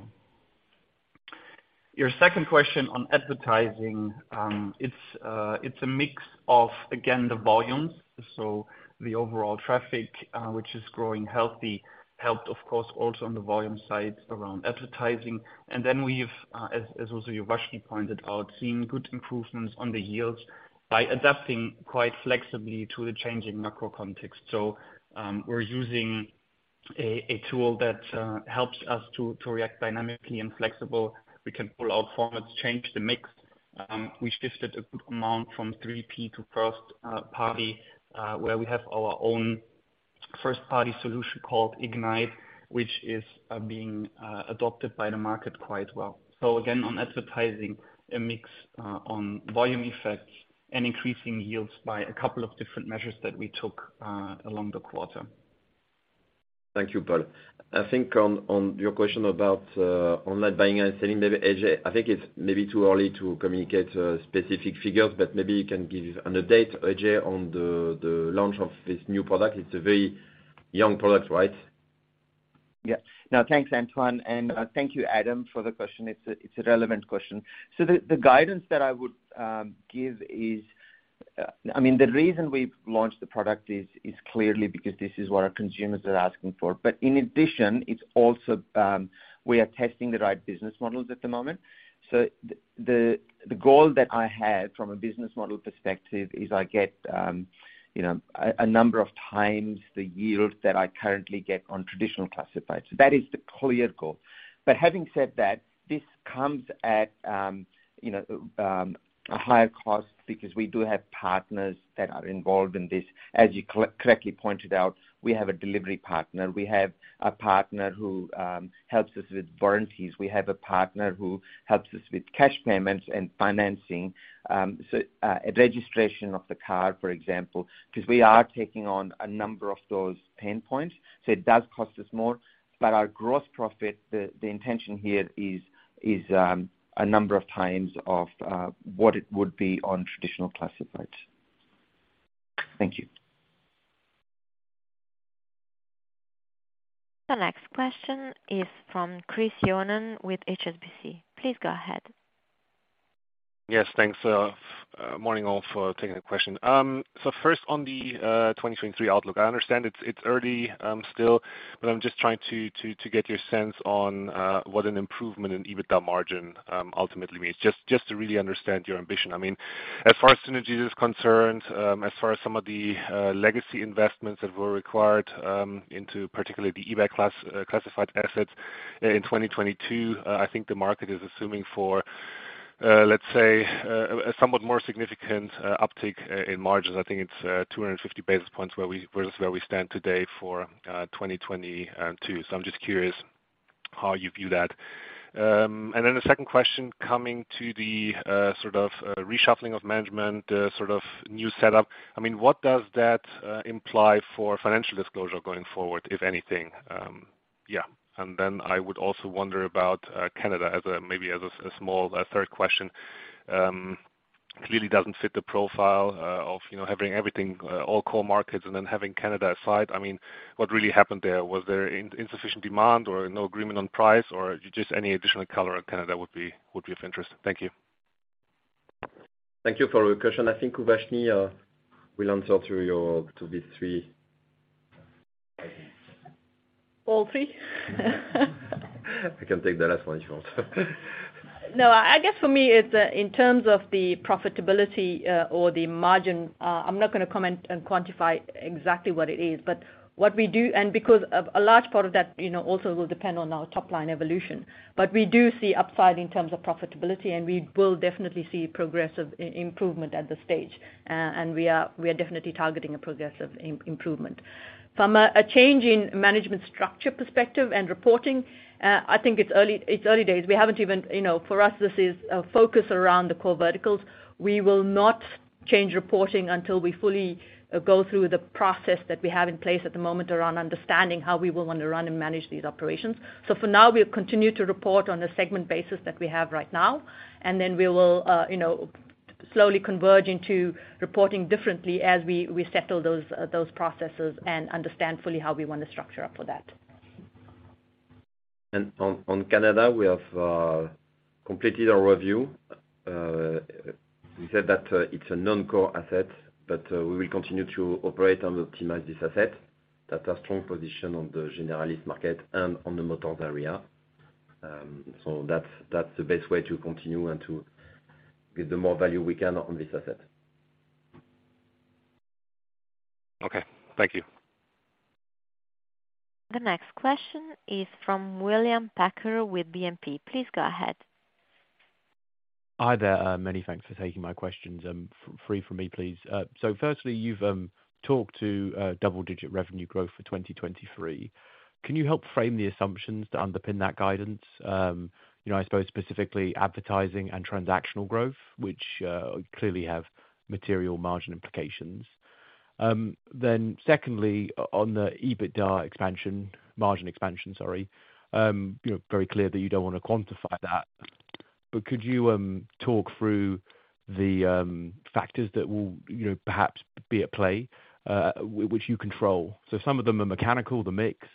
Your second question on advertising, it's a mix of, again, the volumes. The overall traffic, which is growing healthy, helped of course also on the volume side around advertising. Then we've, as also Urvashi pointed out, seen good improvements on the yields by adapting quite flexibly to the changing macro context. We're using a tool that helps us to react dynamically and flexible. We can pull out formats, change the mix. We shifted a good amount from 3P to first party where we have our own first party solution called Ignite, which is being adopted by the market quite well. Again, on advertising a mix on volume effects and increasing yields by a couple of different measures that we took along the quarter. Thank you, Paul. I think on your question about online buying and selling, maybe Ajay, I think it's maybe too early to communicate specific figures, but maybe you can give an update, Ajay, on the launch of this new product. It's a very young product, right? No, thanks, Antoine, and thank you, Adam, for the question. It's a relevant question. The guidance that I would give is, I mean, the reason we've launched the product is clearly because this is what our consumers are asking for. In addition, it's also, we are testing the right business models at the moment. The goal that I have from a business model perspective is I get, you know, a number of times the yield that I currently get on traditional classifieds. That is the clear goal. Having said that, this comes at, you know, a higher cost because we do have partners that are involved in this. As you correctly pointed out, we have a delivery partner. We have a partner who helps us with warranties. We have a partner who helps us with cash payments and financing. A registration of the car, for example, 'cause we are taking on a number of those pain points, so it does cost us more. Our gross profit, the intention here is a number of times what it would be on traditional classifieds. Thank you. The next question is from Christopher Yoannou with HSBC. Please go ahead. Yes, thanks. Morning, all, for taking the question. First on the 2023 outlook. I understand it's early still, but I'm just trying to get your sense on what an improvement in EBITDA margin ultimately means. Just to really understand your ambition. I mean, as far as synergy is concerned, as far as some of the legacy investments that were required into particularly the eBay Classifieds assets in 2022, I think the market is assuming for, let's say, a somewhat more significant uptick in margins. I think it's 250 basis points where we stand today for 2022. I'm just curious how you view that. econd question, coming to the sort of reshuffling of management, the sort of new setup, I mean, what does that imply for financial disclosure going forward, if anything? Yeah. And then I would also wonder about Canada as a, maybe as a small third question. Clearly doesn't fit the profile of, you know, having everything, all core markets and then having Canada aside, I mean, what really happened there? Was there insufficient demand or no agreement on price or just any additional color on Canada would be of interest. Thank you. Thank you for your question. I think Uvashni will answer to these three. All three? I can take the last one if you want. No, I guess for me it's in terms of the profitability or the margin, I'm not gonna comment and quantify exactly what it is. What we do, and because of a large part of that, you know, also will depend on our top line evolution. We do see upside in terms of profitability, and we will definitely see progressive improvement at this stage. We are definitely targeting a progressive improvement. From a change in management structure perspective and reporting, I think it's early, it's early days. We haven't even, you know, for us, this is a focus around the core verticals. We will not. Change reporting until we fully go through the process that we have in place at the moment around understanding how we will want to run and manage these operations. For now, we'll continue to report on a segment basis that we have right now, and then we will, you know, slowly converge into reporting differently as we settle those processes and understand fully how we want to structure up for that. On Canada, we have completed our review. We said that it's a non-core asset, but we will continue to operate and optimize this asset. That's our strong position on the generalist market and on the motors area. That's the best way to continue and to give the more value we can on this asset. Okay. Thank you. The next question is from William Packer with BNP. Please go ahead. Hi there. Many thanks for taking my questions. 3 for me, please. Firstly, you've talked to double-digit revenue growth for 2023. Can you help frame the assumptions to underpin that guidance? You know, I suppose specifically advertising and transactional growth, which clearly have material margin implications. Secondly, on the EBITDA expansion, margin expansion, sorry. You know, very clear that you don't wanna quantify that. Could you talk through the factors that will, you know, perhaps be at play, which you control? Some of them are mechanical, the mix,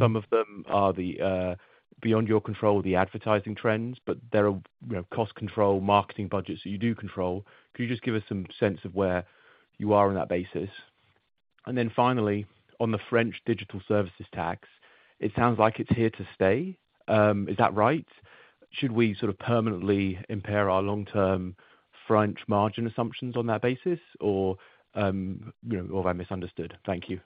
some of them are the beyond your control, the advertising trends, but there are, you know, cost control, marketing budgets that you do control. Could you just give us some sense of where you are on that basis? Finally, on the French Digital Services Tax, it sounds like it's here to stay. Is that right? Should we sort of permanently impair our long-term French margin assumptions on that basis or, you know, or have I misunderstood? Thank you.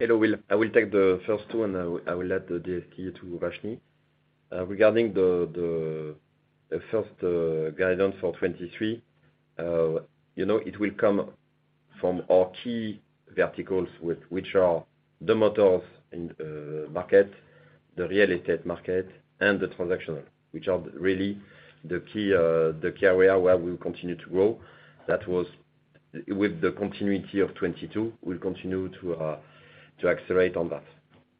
Hello, Will. I will take the first two, and I will add the DST to Rashni. Regarding the first guidance for 23, you know, it will come from our key verticals with which are the motors in the market, the real estate market, and the transactional, which are really the key area where we'll continue to grow. That was with the continuity of 22, we'll continue to accelerate on that.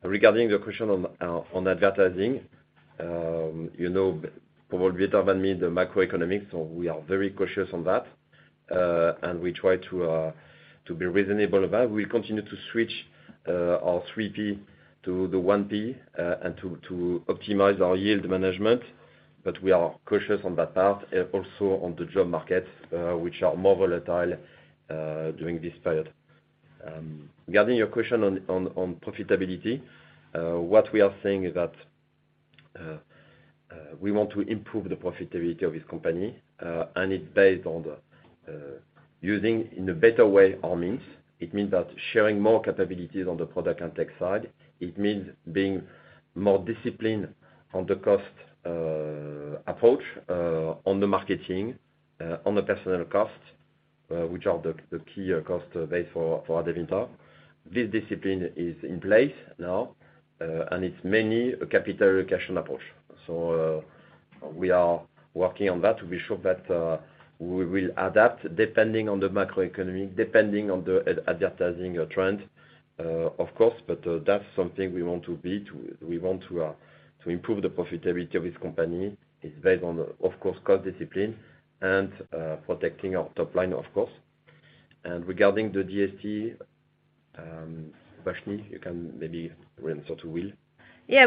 Regarding the question on advertising, you know probably better than me the macroeconomics, so we are very cautious on that. We try to be reasonable about it. We continue to switch our 3P to the 1P and to optimize our yield management, but we are cautious on that part. Also on the job market, which are more volatile during this period. Regarding your question on profitability, what we are saying is that we want to improve the profitability of this company, and it's based on using in a better way our means. It means that sharing more capabilities on the product and tech side, it means being more disciplined on the cost approach, on the marketing, on the personal costs, which are the key cost base for Adevinta. This discipline is in place now, and it's mainly a capital allocation approach. We are working on that. We're sure that we will adapt depending on the macroeconomic, depending on the advertising trend, of course, that's something we want to be. We want to improve the profitability of this company. It's based on, of course, cost discipline and protecting our top line, of course. Regarding the DST, Rashni, you can maybe answer to Will.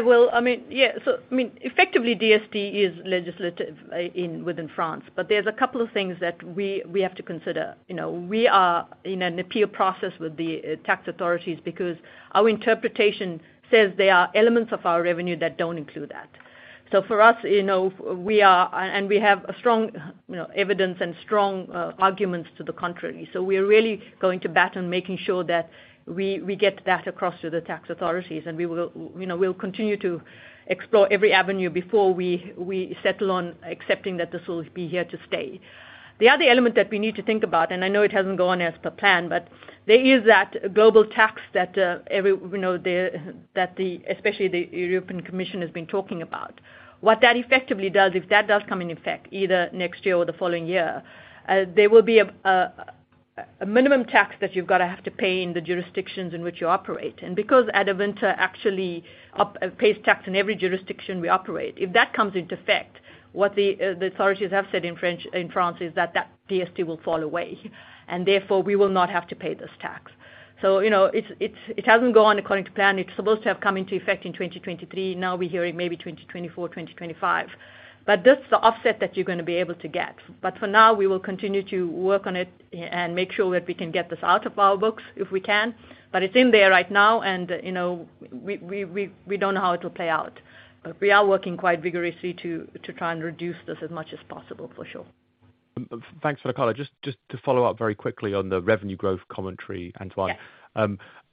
Well, I mean, yeah, I mean, effectively, DST is legislative in France, there's a couple of things that we have to consider. You know, we are in an appeal process with the tax authorities because our interpretation says there are elements of our revenue that don't include that. For us, you know, we have a strong, you know, evidence and strong arguments to the contrary. We are really going to bat on making sure that we get that across to the tax authorities. We will, you know, we'll continue to explore every avenue before we settle on accepting that this will be here to stay. The other element that we need to think about, and I know it hasn't gone as per plan, but there is that global tax that every, you know, the, that the, especially the European Commission has been talking about. What that effectively does, if that does come in effect either next year or the following year, there will be a minimum tax that you've gotta have to pay in the jurisdictions in which you operate. Because Adevinta actually pays tax in every jurisdiction we operate, if that comes into effect, what the authorities have said in France is that that DST will fall away, and therefore, we will not have to pay this tax. You know, it hasn't gone according to plan. It's supposed to have come into effect in 2023. Now we're hearing maybe 2024, 2025. That's the offset that you're gonna be able to get. For now, we will continue to work on it and make sure that we can get this out of our books if we can. It's in there right now and, you know, we don't know how it will play out. We are working quite vigorously to try and reduce this as much as possible, for sure. Thanks for the color. Just to follow up very quickly on the revenue growth commentary, Antoine. Yes.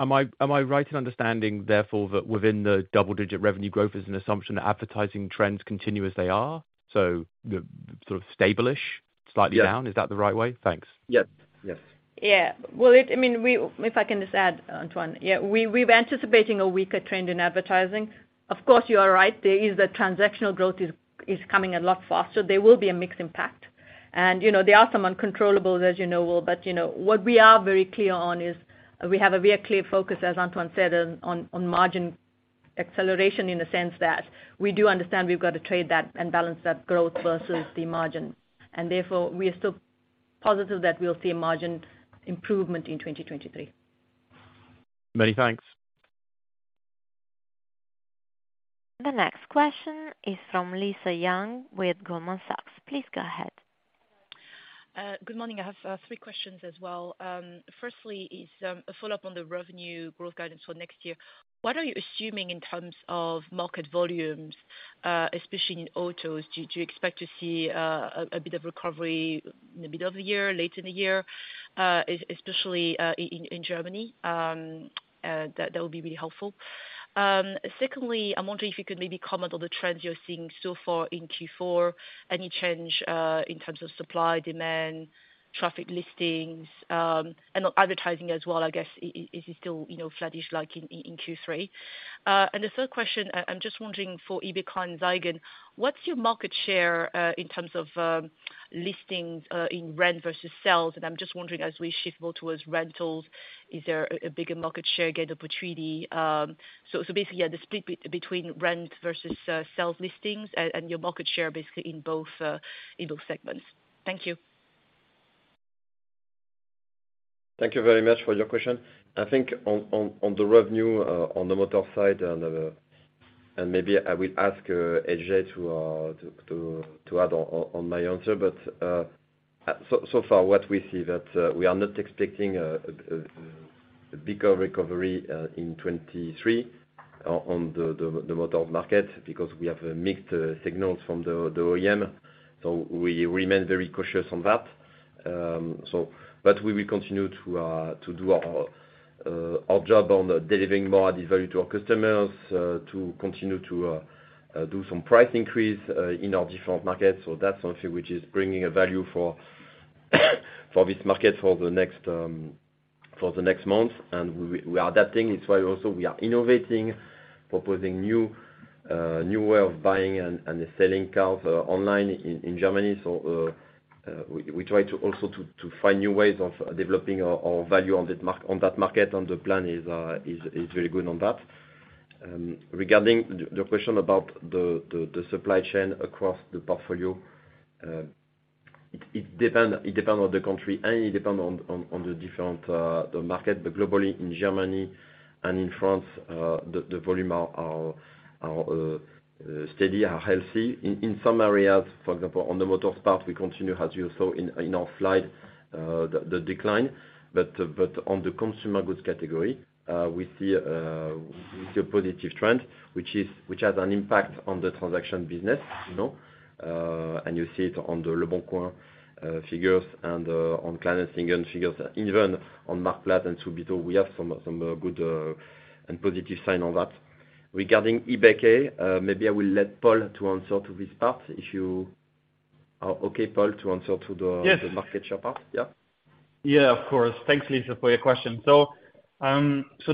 Am I right in understanding therefore that within the double-digit revenue growth is an assumption that advertising trends continue as they are? Yes. Is that the right way? Thanks. Yes. Yes. Well, it, I mean, If I can just add, Antoine. We're anticipating a weaker trend in advertising. Of course, you are right. There is the transactional growth is coming a lot faster. There will be a mixed impact. You know, there are some uncontrollables, as you know, Will, but, you know, what we are very clear on is we have a real clear focus, as Antoine said, on margin acceleration in the sense that we do understand we've got to trade that and balance that growth versus the margin. Therefore, we are still positive that we'll see a margin improvement in 2023. Many thanks. The next question is from Lisa Yang with Goldman Sachs. Please go ahead. Good morning. I have 3 questions as well. Firstly is a follow-up on the revenue growth guidance for next year. What are you assuming in terms of market volumes, especially in autos? Do you expect to see a bit of recovery in the middle of the year, later in the year, especially in Germany? That would be really helpful. Secondly, I'm wondering if you could maybe comment on the trends you're seeing so far in Q4. Any change in terms of supply, demand, traffic listings, and on advertising as well, I guess, is it still, you know, flattish like in Q3? The third question, I'm just wondering for eBay Kleinanzeigen, what's your market share in terms of listings, in rent versus sales? I'm just wondering, as we shift more towards rentals, is there a bigger market share gain opportunity? Basically, the split between rent versus sales listings and your market share in both segments. Thank you. Thank you very much for your question. I think on the revenue on the motor side, and maybe I will ask Ajay to add on my answer. So far what we see that we are not expecting a bigger recovery in 23 on the motor market because we have mixed signals from the OEM. We remain very cautious on that. We will continue to do our job on delivering more added value to our customers to continue to do some price increase in our different markets. That's something which is bringing a value for this market for the next month. We are adapting. It's why also we are innovating, proposing new way of buying and selling cars online in Germany. We try to also to find new ways of developing our value on that market. The plan is very good on that. Regarding your question about the supply chain across the portfolio, it depend on the country, and it depend on the different market. Globally, in Germany and in France, the volume are steady, are healthy. In some areas, for example, on the motors part, we continue, as you saw in our slide, the decline. On the consumer goods category, we see a positive trend which is, which has an impact on the transaction business, you know, and you see it on the leboncoin figures and on Kleinanzeigen figures, even on Marktplaats and Subito we have some good and positive sign on that. Regarding eBay K, maybe I will let Paul to answer to this part, if you are okay, Paul, to answer to the. Yes. the market share part. Yeah. Yeah, of course. Thanks, Lisa, for your question. The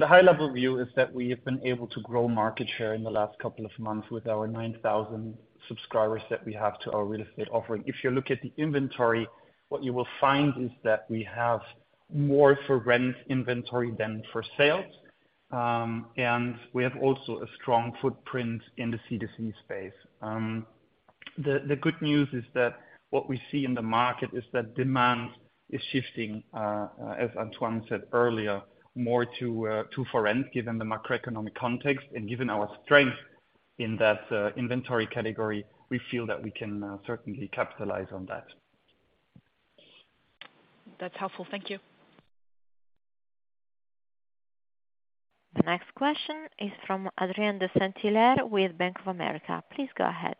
high-level view is that we have been able to grow market share in the last couple of months with our 9,000 subscribers that we have to our real estate offering. If you look at the inventory, what you will find is that we have more for rent inventory than for sales, and we have also a strong footprint in the C2C space. The good news is that what we see in the market is that demand is shifting as Antoine said earlier, more to for rent given the macroeconomic context. Given our strength in that inventory category, we feel that we can certainly capitalize on that. That's helpful. Thank you. The next question is from Adrien de Saint Hilaire with Bank of America. Please go ahead.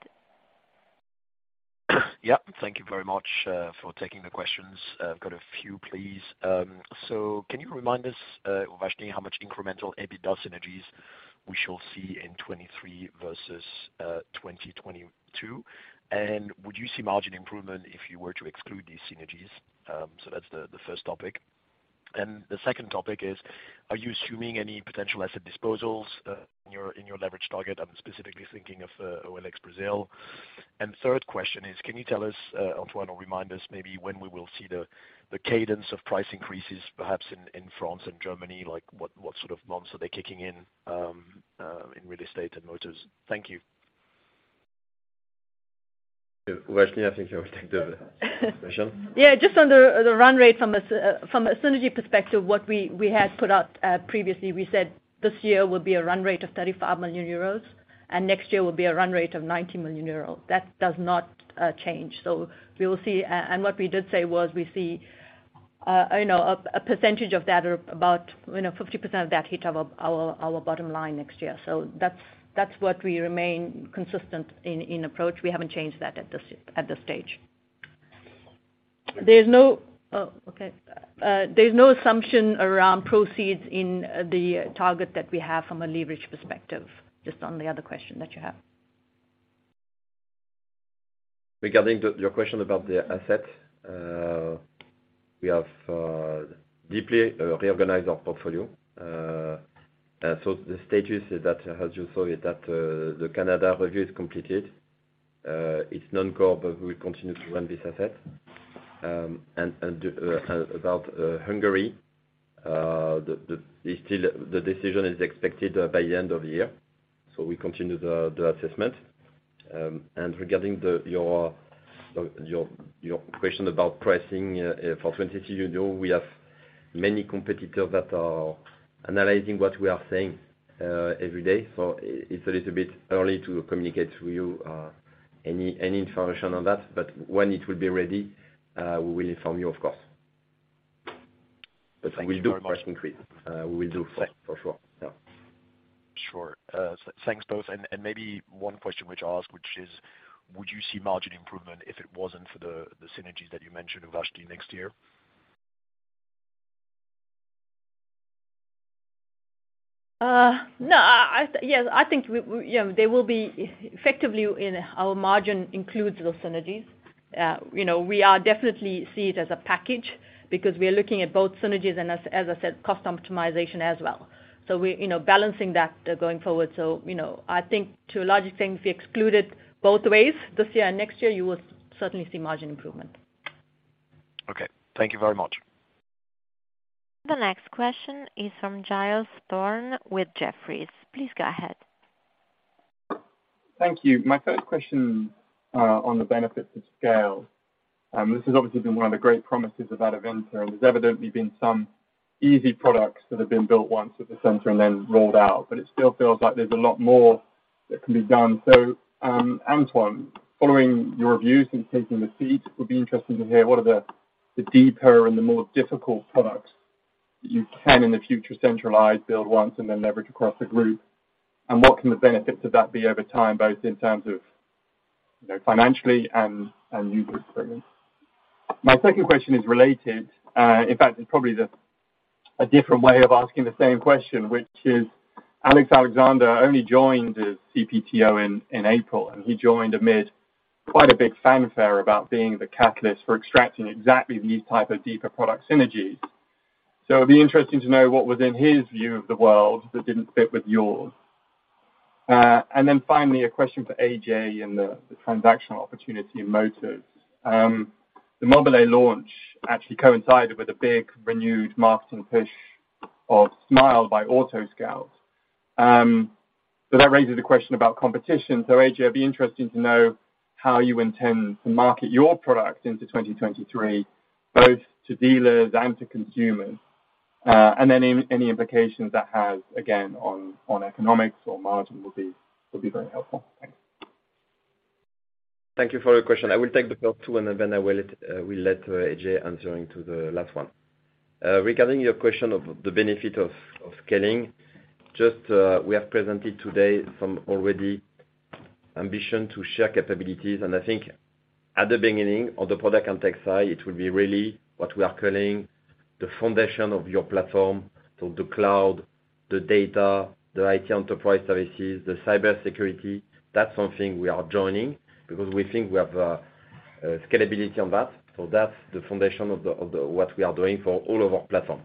Thank you very much for taking the questions. I've got a few, please. Can you remind us, Uvashni, how much incremental EBITDA synergies we shall see in 2023 versus 2022? Would you see margin improvement if you were to exclude these synergies? That's the first topic. The second topic is, are you assuming any potential asset disposals in your leverage target? I'm specifically thinking of OLX Brazil. Third question is, can you tell us, Antoine, or remind us maybe when we will see the cadence of price increases perhaps in France and Germany, like what sort of months are they kicking in in real estate and motors? Thank you. Vashni, I think you will take the question. Yeah, just on the run rate from a synergy perspective, what we had put out previously, we said this year will be a run rate of 35 million euros, and next year will be a run rate of 90 million euros. That does not change. We will see. What we did say was we see, you know, a percentage of that or about, you know, 50% of that hit our bottom line next year. That's what we remain consistent in approach. We haven't changed that at this stage. There's no assumption around proceeds in the target that we have from a leverage perspective, just on the other question that you have. Regarding your question about the asset, We have deeply reorganized our portfolio. The status is that, as you saw, is that the Canada review is completed. It's non-core, we continue to run this asset. About Hungary, the decision is expected by the end of the year, so we continue the assessment. Regarding your question about pricing, for 22, you know, we have many competitors that are analyzing what we are saying every day. It's a little bit early to communicate with you any information on that. When it will be ready, we will inform you, of course. Thank you very much. We do price increase. We will do for sure. Yeah. Sure. thanks both. Maybe one question which I'll ask, which is: Would you see margin improvement if it wasn't for the synergies that you mentioned with Vashni next year? No. Yeah, I think we, you know, there will be, effectively in our margin includes those synergies. You know, we are definitely see it as a package because we are looking at both synergies and as I said, cost optimization as well. We're, you know, balancing that going forward. You know, I think to a large extent, if you excluded both ways this year and next year, you will certainly see margin improvement. Okay. Thank you very much. The next question is from Giles Thorne with Jefferies. Please go ahead. Thank you. My first question on the benefits of scale, this has obviously been one of the great promises of Adevinta, and there's evidently been some easy products that have been built once at the center and then rolled out, but it still feels like there's a lot more that can be done. Antoine, following your review since taking the seat, it would be interesting to hear what are the deeper and the more difficult products you can, in the future, centralize, build once, and then leverage across the group. What can the benefits of that be over time, both in terms of, you know, financially and user experience? My second question is related. In fact, it's probably just a different way of asking the same question, which is Alex Alexander only joined as CPTO in April, and he joined amid quite a big fanfare about being the catalyst for extracting exactly these type of deeper product synergies. It'd be interesting to know what was in his view of the world that didn't fit with yours. Finally, a question for Ajay and the transactional opportunity in motors. The mobile.de launch actually coincided with a big renewed marketing push of smyle by AutoScout24. That raises a question about competition. Ajay, it'd be interesting to know how you intend to market your product into 2023, both to dealers and to consumers. Any implications that has, again, on economics or margin would be very helpful. Thanks. Thank you for your question. I will take the first two, and then I will let Ajay answering to the last one. Regarding your question of the benefit of scaling, just we have presented today some already ambition to share capabilities. I think at the beginning, on the product and tech side, it will be really what we are calling the foundation of your platform, so the cloud, the data, the IT enterprise services, the cybersecurity. That's something we are joining because we think we have scalability on that. That's the foundation what we are doing for all of our platform.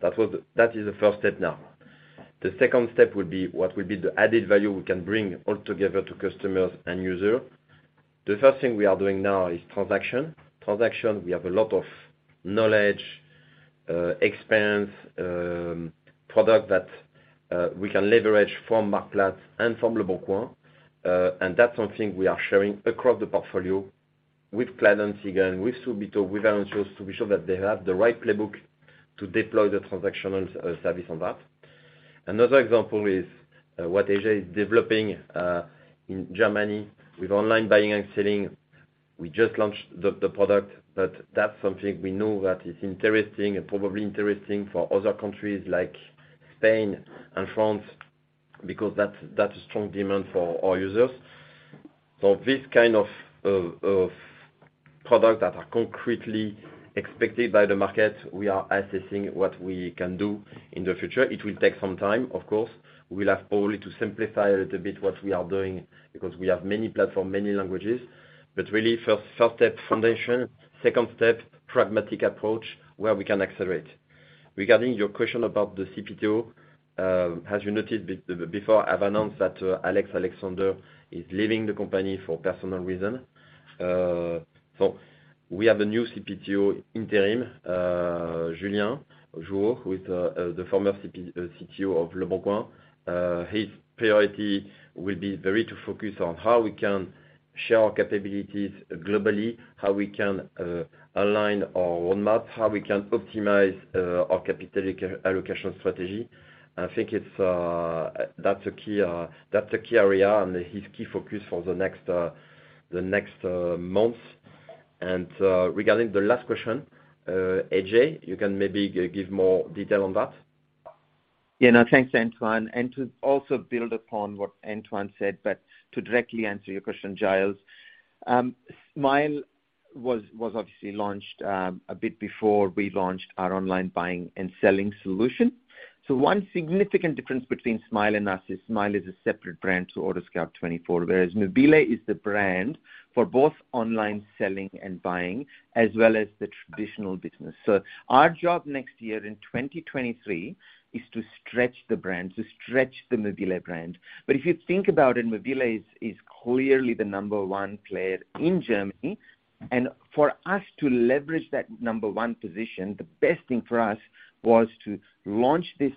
That is the first step now. The second step would be what would be the added value we can bring all together to customers and user. The first thing we are doing now is transaction. Transaction, we have a lot of knowledge, expense, product that we can leverage from Marktplaats and from leboncoin. That's something we are sharing across the portfolio with Clad and Sagan, with Subito, with Annuncios, to be sure that they have the right playbook to deploy the transactional service on that. Another example is what Ajay is developing in Germany with online buying and selling. We just launched the product, that's something we know that is interesting and probably interesting for other countries like Spain and France, because that's a strong demand for our users. This kind of product that are concretely expected by the market, we are assessing what we can do in the future. It will take some time, of course. We'll have only to simplify a little bit what we are doing because we have many platform, many languages. First step, foundation. Second step, pragmatic approach where we can accelerate. Regarding your question about the CPTO, as you noted before, I've announced that Alex Alexander is leaving the company for personal reason. So we have a new CPTO interim, Julien Jouhault, who is the former CTO of leboncoin. His priority will be very to focus on how we can share our capabilities globally, how we can align our roadmaps, how we can optimize our capital allocation strategy. I think it's that's a key, that's a key area and his key focus for the next months. Regarding the last question, Ajay, you can maybe give more detail on that. Yeah. No, thanks, Antoine. To also build upon what Antoine said, but to directly answer your question, Giles, smyle was obviously launched a bit before we launched our online buying and selling solution. One significant difference between smyle and us is smyle is a separate brand to AutoScout24, whereas mobile.de is the brand. For both online selling and buying, as well as the traditional business. Our job next year in 2023 is to stretch the brand, to stretch the mobile.de brand. If you think about it, mobile.de is clearly the number one player in Germany. For us to leverage that number one position, the best thing for us was to launch this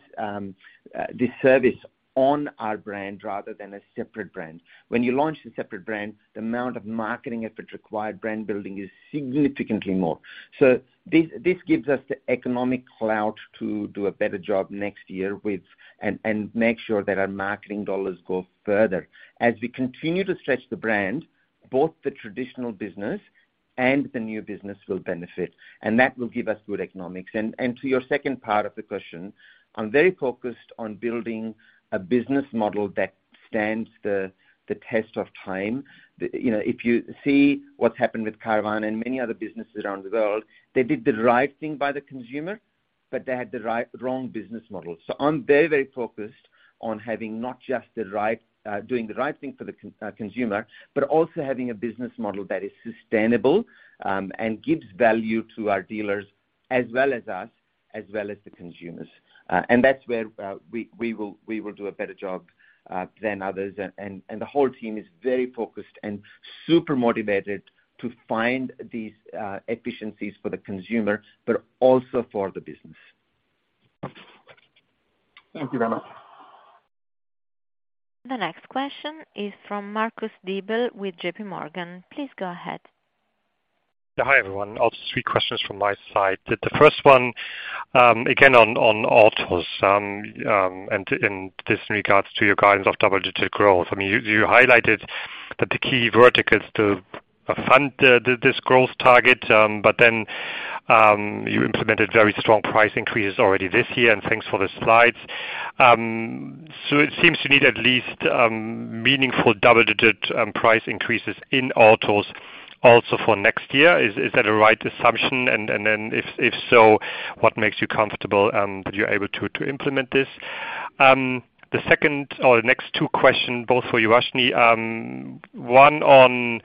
service on our brand rather than a separate brand. When you launch a separate brand, the amount of marketing effort required, brand building is significantly more. This gives us the economic clout to do a better job next year with. And make sure that our marketing dollars go further. As we continue to stretch the brand, both the traditional business and the new business will benefit, and that will give us good economics. To your second part of the question, I'm very focused on building a business model that stands the test of time. You know, if you see what's happened with Carvana and many other businesses around the world, they did the right thing by the consumer, but they had the wrong business model. I'm very, very focused on having not just the right, doing the right thing for the consumer, but also having a business model that is sustainable, and gives value to our dealers as well as us, as well as the consumers. That's where we will do a better job than others. The whole team is very focused and super motivated to find these efficiencies for the consumer, but also for the business. Thank you very much. The next question is from Marcus Diebel with J.P. Morgan. Please go ahead. Yeah. Hi, everyone. I'll have 3 questions from my side. The first one, again, on autos, and this in regards to your guidance of double-digit growth. I mean, you highlighted that the key verdict is to fund this growth target, but then you implemented very strong price increases already this year, and thanks for the slides. It seems to need at least meaningful double-digit price increases in autos also for next year. Is that a right assumption? If so, what makes you comfortable that you're able to implement this? The second or the next 2 question both for you, Urashni. 1 on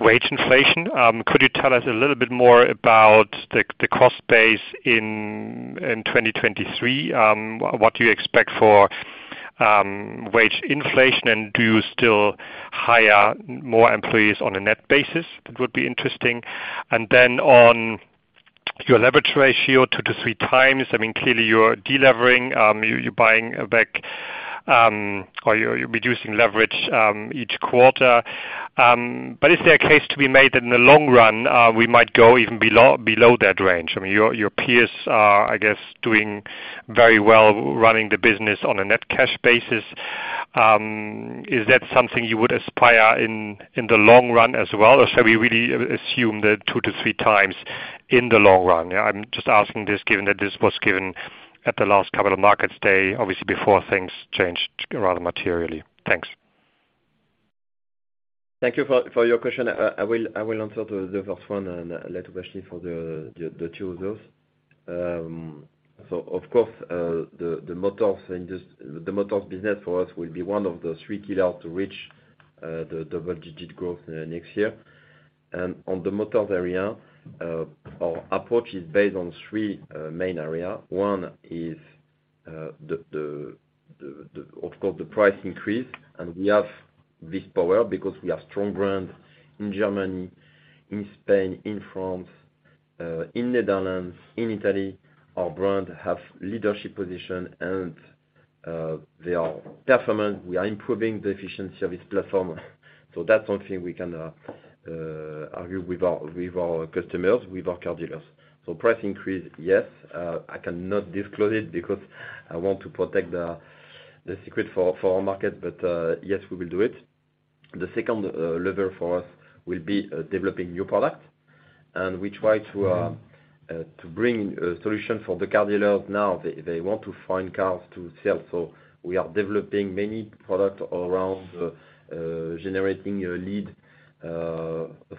wage inflation. Could you tell us a little bit more about the cost base in 2023? What do you expect for wage inflation? Do you still hire more employees on a net basis? That would be interesting. On your leverage ratio 2-3 times, I mean, clearly you're de-levering, you're buying back, or you're reducing leverage each quarter. Is there a case to be made that in the long run, we might go even below that range? I mean, your peers are, I guess, doing very well running the business on a net cash basis. Is that something you would aspire in the long run as well, or shall we really assume that 2-3 times in the long run? I'm just asking this, given that this was given at the last capital markets day, obviously before things changed rather materially. Thanks. Thank you for your question. I will answer the first one and let Urashni for the 2 others. So of course, the motors business for us will be one of the 3 key areas to reach the double-digit growth next year. On the motors area, our approach is based on 3 main area. One is, of course, the price increase, and we have this power because we are strong brand in Germany, in Spain, in France, in Netherlands, in Italy. Our brand have leadership position and they are performant. We are improving the efficiency of this platform. That's something we can argue with our customers, with our car dealers. Price increase, yes. I cannot disclose it because I want to protect the secret for our market, but yes, we will do it. The second lever for us will be developing new product. We try to bring a solution for the car dealers now. They want to find cars to sell. We are developing many products around generating a lead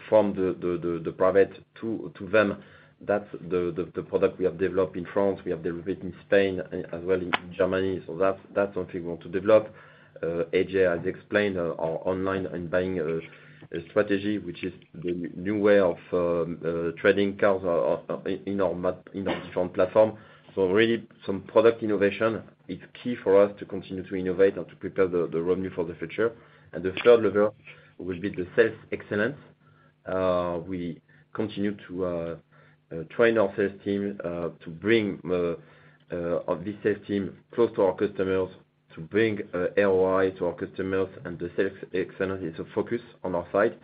from the private to them. That's the product we have developed in France, we have developed in Spain as well in Germany. That's something we want to develop. Ajay has explained our online and buying strategy, which is the new way of trading cars in our different platform. Really some product innovation. It's key for us to continue to innovate and to prepare the revenue for the future. The third lever will be the sales excellence. We continue to train our sales team to bring ROI to our customers, and the sales excellence is a focus on our side.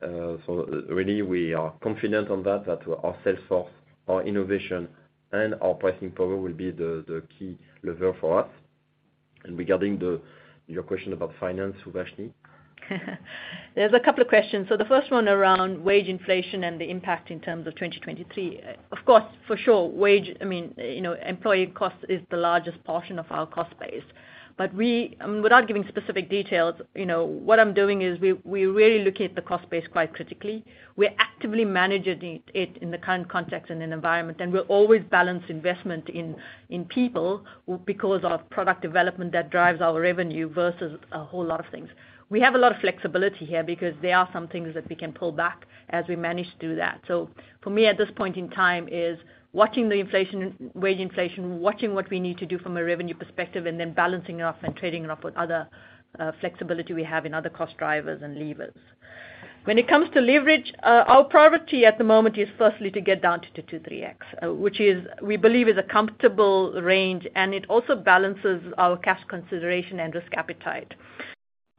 Really we are confident on that our sales force, our innovation and our pricing power will be the key lever for us. Regarding your question about finance, Urashni. There's a couple of questions. The first one around wage inflation and the impact in terms of 2023. Of course, for sure, wage, I mean, you know, employee cost is the largest portion of our cost base. We, without giving specific details, you know, what I'm doing is we really look at the cost base quite critically. We're actively managing it in the current context and environment, and we'll always balance investment in people because of product development that drives our revenue versus a whole lot of things. We have a lot of flexibility here because there are some things that we can pull back as we manage to do that. For me at this point in time, is watching the inflation, wage inflation, watching what we need to do from a revenue perspective, and then balancing it off and trading it off with other flexibility we have in other cost drivers and levers. When it comes to leverage, our priority at the moment is firstly to get down to 2-3x, which is, we believe is a comfortable range, and it also balances our cash consideration and risk appetite.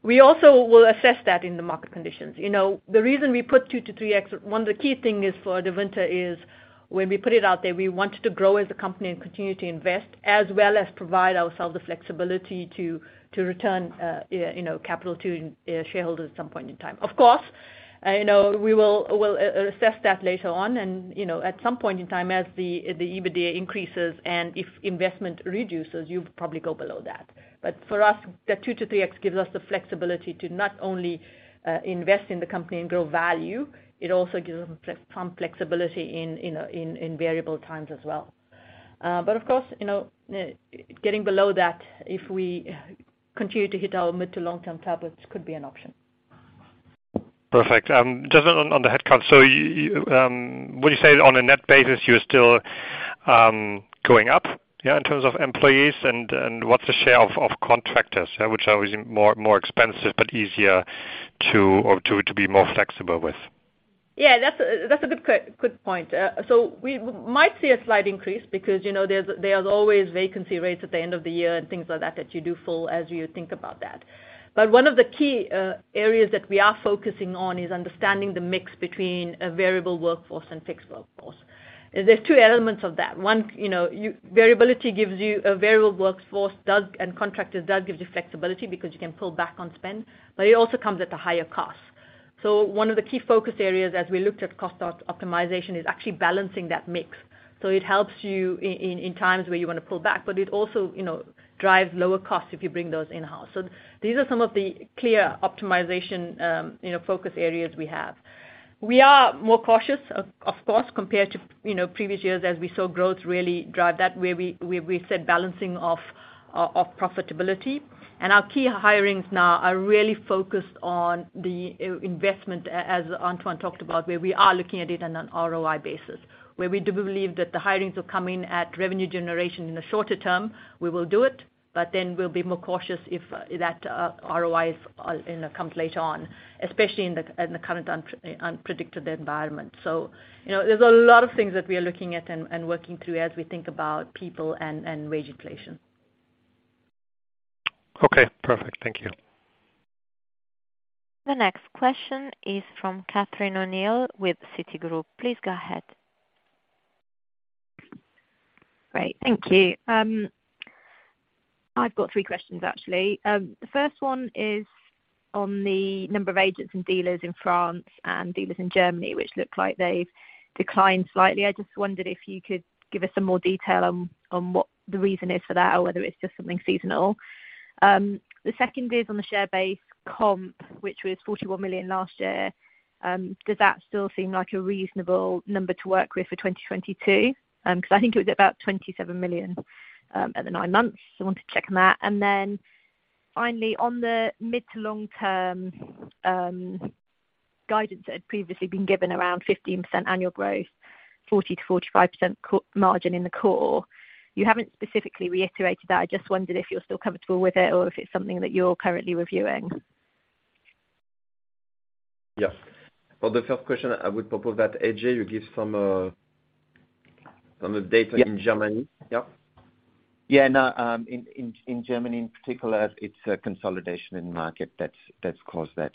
We also will assess that in the market conditions. You know, the reason we put 2-3x, one of the key things is for Adevinta is when we put it out there, we wanted to grow as a company and continue to invest as well as provide ourselves the flexibility to return, you know, capital to shareholders at some point in time. Of course, you know, we will assess that later on and, you know, at some point in time, as the EBITDA increases and if investment reduces, you'd probably go below that. For us, the 2-3x gives us the flexibility to not only invest in the company and grow value, it also gives us some flexibility in variable times as well. Of course, you know, getting below that, if we continue to hit our mid to long-term targets could be an option. Perfect. Just on the headcount. You, would you say on a net basis, you're still going up, yeah, in terms of employees and what's the share of contractors, yeah? Which are obviously more expensive, but easier to be more flexible with. Yeah, that's a good point. We might see a slight increase because, you know, there's always vacancy rates at the end of the year and things like that that you do full as you think about that. One of the key areas that we are focusing on is understanding the mix between a variable workforce and fixed workforce. There's two elements of that. One, you know, Variability gives you a variable workforce, and contractors does give you flexibility because you can pull back on spend, but it also comes at a higher cost. One of the key focus areas as we looked at cost optimization is actually balancing that mix. It helps you in times where you wanna pull back, but it also, you know, drives lower costs if you bring those in-house. These are some of the clear optimization, you know, focus areas we have. We are more cautious of course, compared to, you know, previous years as we saw growth really drive that, where we, where we said balancing of profitability. Our key hirings now are really focused on the investment as Antoine talked about, where we are looking at it on an ROI basis. Where we do believe that the hirings will come in at revenue generation in the shorter term, we will do it, but then we'll be more cautious if that ROI is, you know, comes later on, especially in the current unpredicted environment. You know, there's a lot of things that we are looking at and working through as we think about people and wage inflation. Okay, perfect. Thank you. The next question is from Catherine O'Neill with Citigroup. Please go ahead. Great. Thank you. I've got three questions actually. The first one is on the number of agents and dealers in France and dealers in Germany, which look like they've declined slightly. I just wondered if you could give us some more detail on what the reason is for that or whether it's just something seasonal. The second is on the share base comp, which was 41 million last year. Does that still seem like a reasonable number to work with for 2022? 'Cause I think it was about 27 million at the 9 months. I wanted to check on that. Finally, on the mid to long-term guidance that had previously been given around 15% annual growth, 40%-45% co-margin in the core. You haven't specifically reiterated that. I just wondered if you're still comfortable with it or if it's something that you're currently reviewing. Yeah. For the first question, I would propose that Ajay, you give some data in Germany. Yeah. Yeah. No, in Germany in particular it's a consolidation in the market that's caused that.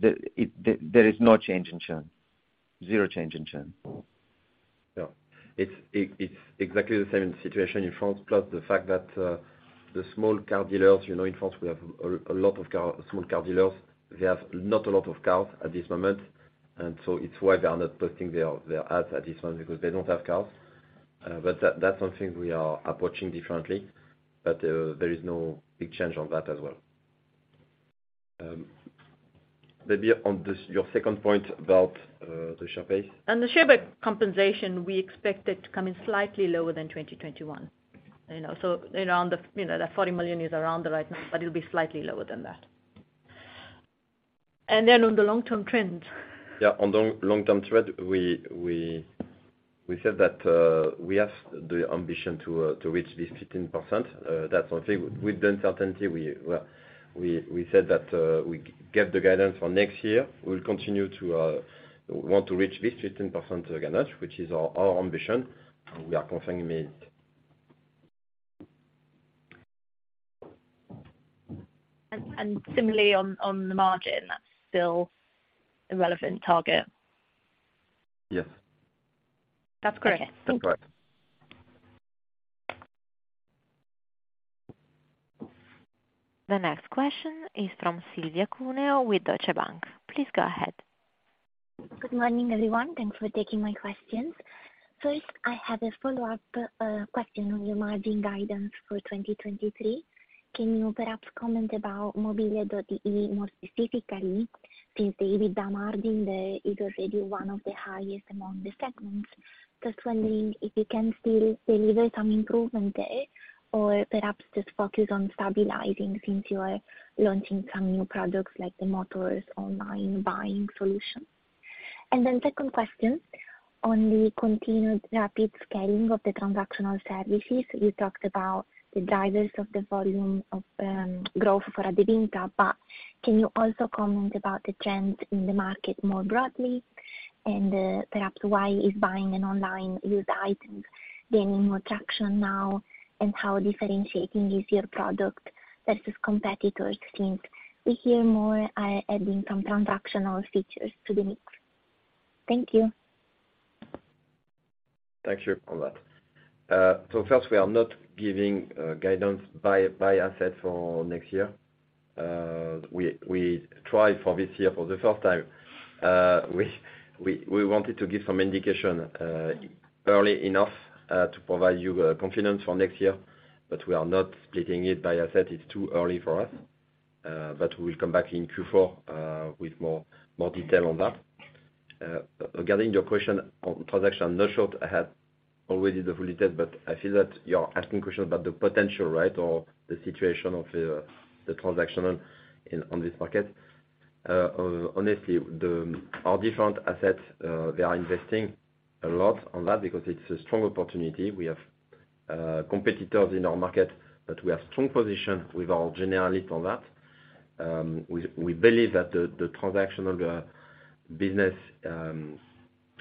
There is no change in churn. Zero change in churn. It's exactly the same situation in France, plus the fact that the small car dealers, you know, in France we have a lot of car, small car dealers. They have not a lot of cars at this moment, so it's why they are not posting their ads at this moment because they don't have cars. That's something we are approaching differently, but there is no big change on that as well. Maybe on this, your second point about the share base. On the share base compensation, we expect it to come in slightly lower than 2021. You know, so around the, you know, that 40 million is around the right number, but it'll be slightly lower than that. Then on the long-term trend. On the long-term trend, we said that we have the ambition to reach this 15%. That's something with the uncertainty we said that we get the guidance for next year. We'll continue to want to reach this 15% guidance, which is our ambition. We are confirming this. Similarly on the margin, that's still a relevant target? Yes. That's great. Okay. Thank you. That's right. The next question is from Silvia Cuneo with Deutsche Bank. Please go ahead. Good morning, everyone. Thanks for taking my questions. First, I have a follow-up question on your margin guidance for 2023. Can you perhaps comment about mobile.de more specifically since the EBITDA margin there is already one of the highest among the segments? Just wondering if you can still deliver some improvement there or perhaps just focus on stabilizing since you are launching some new products like the motors online buying solution. Then second question on the continued rapid scaling of the transactional services. You talked about the drivers of the volume of growth for Adevinta, but can you also comment about the trend in the market more broadly and perhaps why is buying an online used items gaining more traction now and how differentiating is your product versus competitor exchange? We hear more are adding some transactional features to the mix. Thank you. Thank you for that. First, we are not giving guidance by asset for next year. We try for this year for the first time, we wanted to give some indication early enough to provide you confidence for next year, but we are not splitting it by asset. It's too early for us. We'll come back in Q4 with more detail on that. Regarding your question on transaction, no short I had already the full detail, but I feel that you're asking questions about the potential, right? The situation of the transaction on this market. Honestly, our different assets, they are investing a lot on that because it's a strong opportunity. We have competitors in our market, but we have strong position with our generalist on that. We believe that the transactional business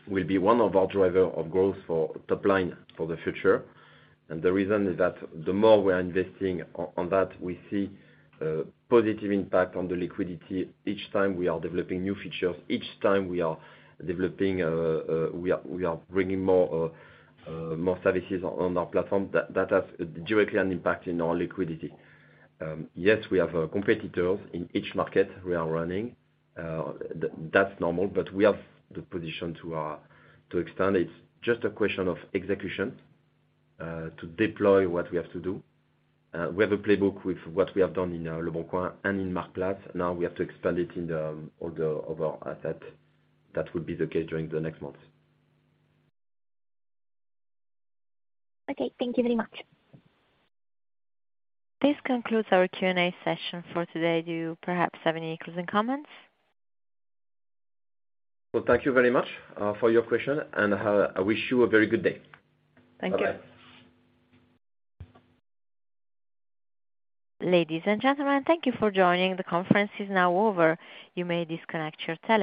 will be one of our driver of growth for top line for the future. The reason is that the more we are investing on that, we see a positive impact on the liquidity each time we are developing new features. Each time we are bringing more services on our platform that has directly an impact in our liquidity. Yes, we have competitors in each market we are running. That's normal, but we have the position to extend it. Just a question of execution to deploy what we have to do. We have a playbook with what we have done in leboncoin and in Marktplaats. Now we have to expand it all the, of our asset. That would be the case during the next months. Okay. Thank you very much. This concludes our Q&A session for today. Do you perhaps have any closing comments? Well, thank you very much, for your question, and I wish you a very good day. Thank you. Bye-bye. Ladies and gentlemen, thank you for joining. The conference is now over. You may disconnect your telephone.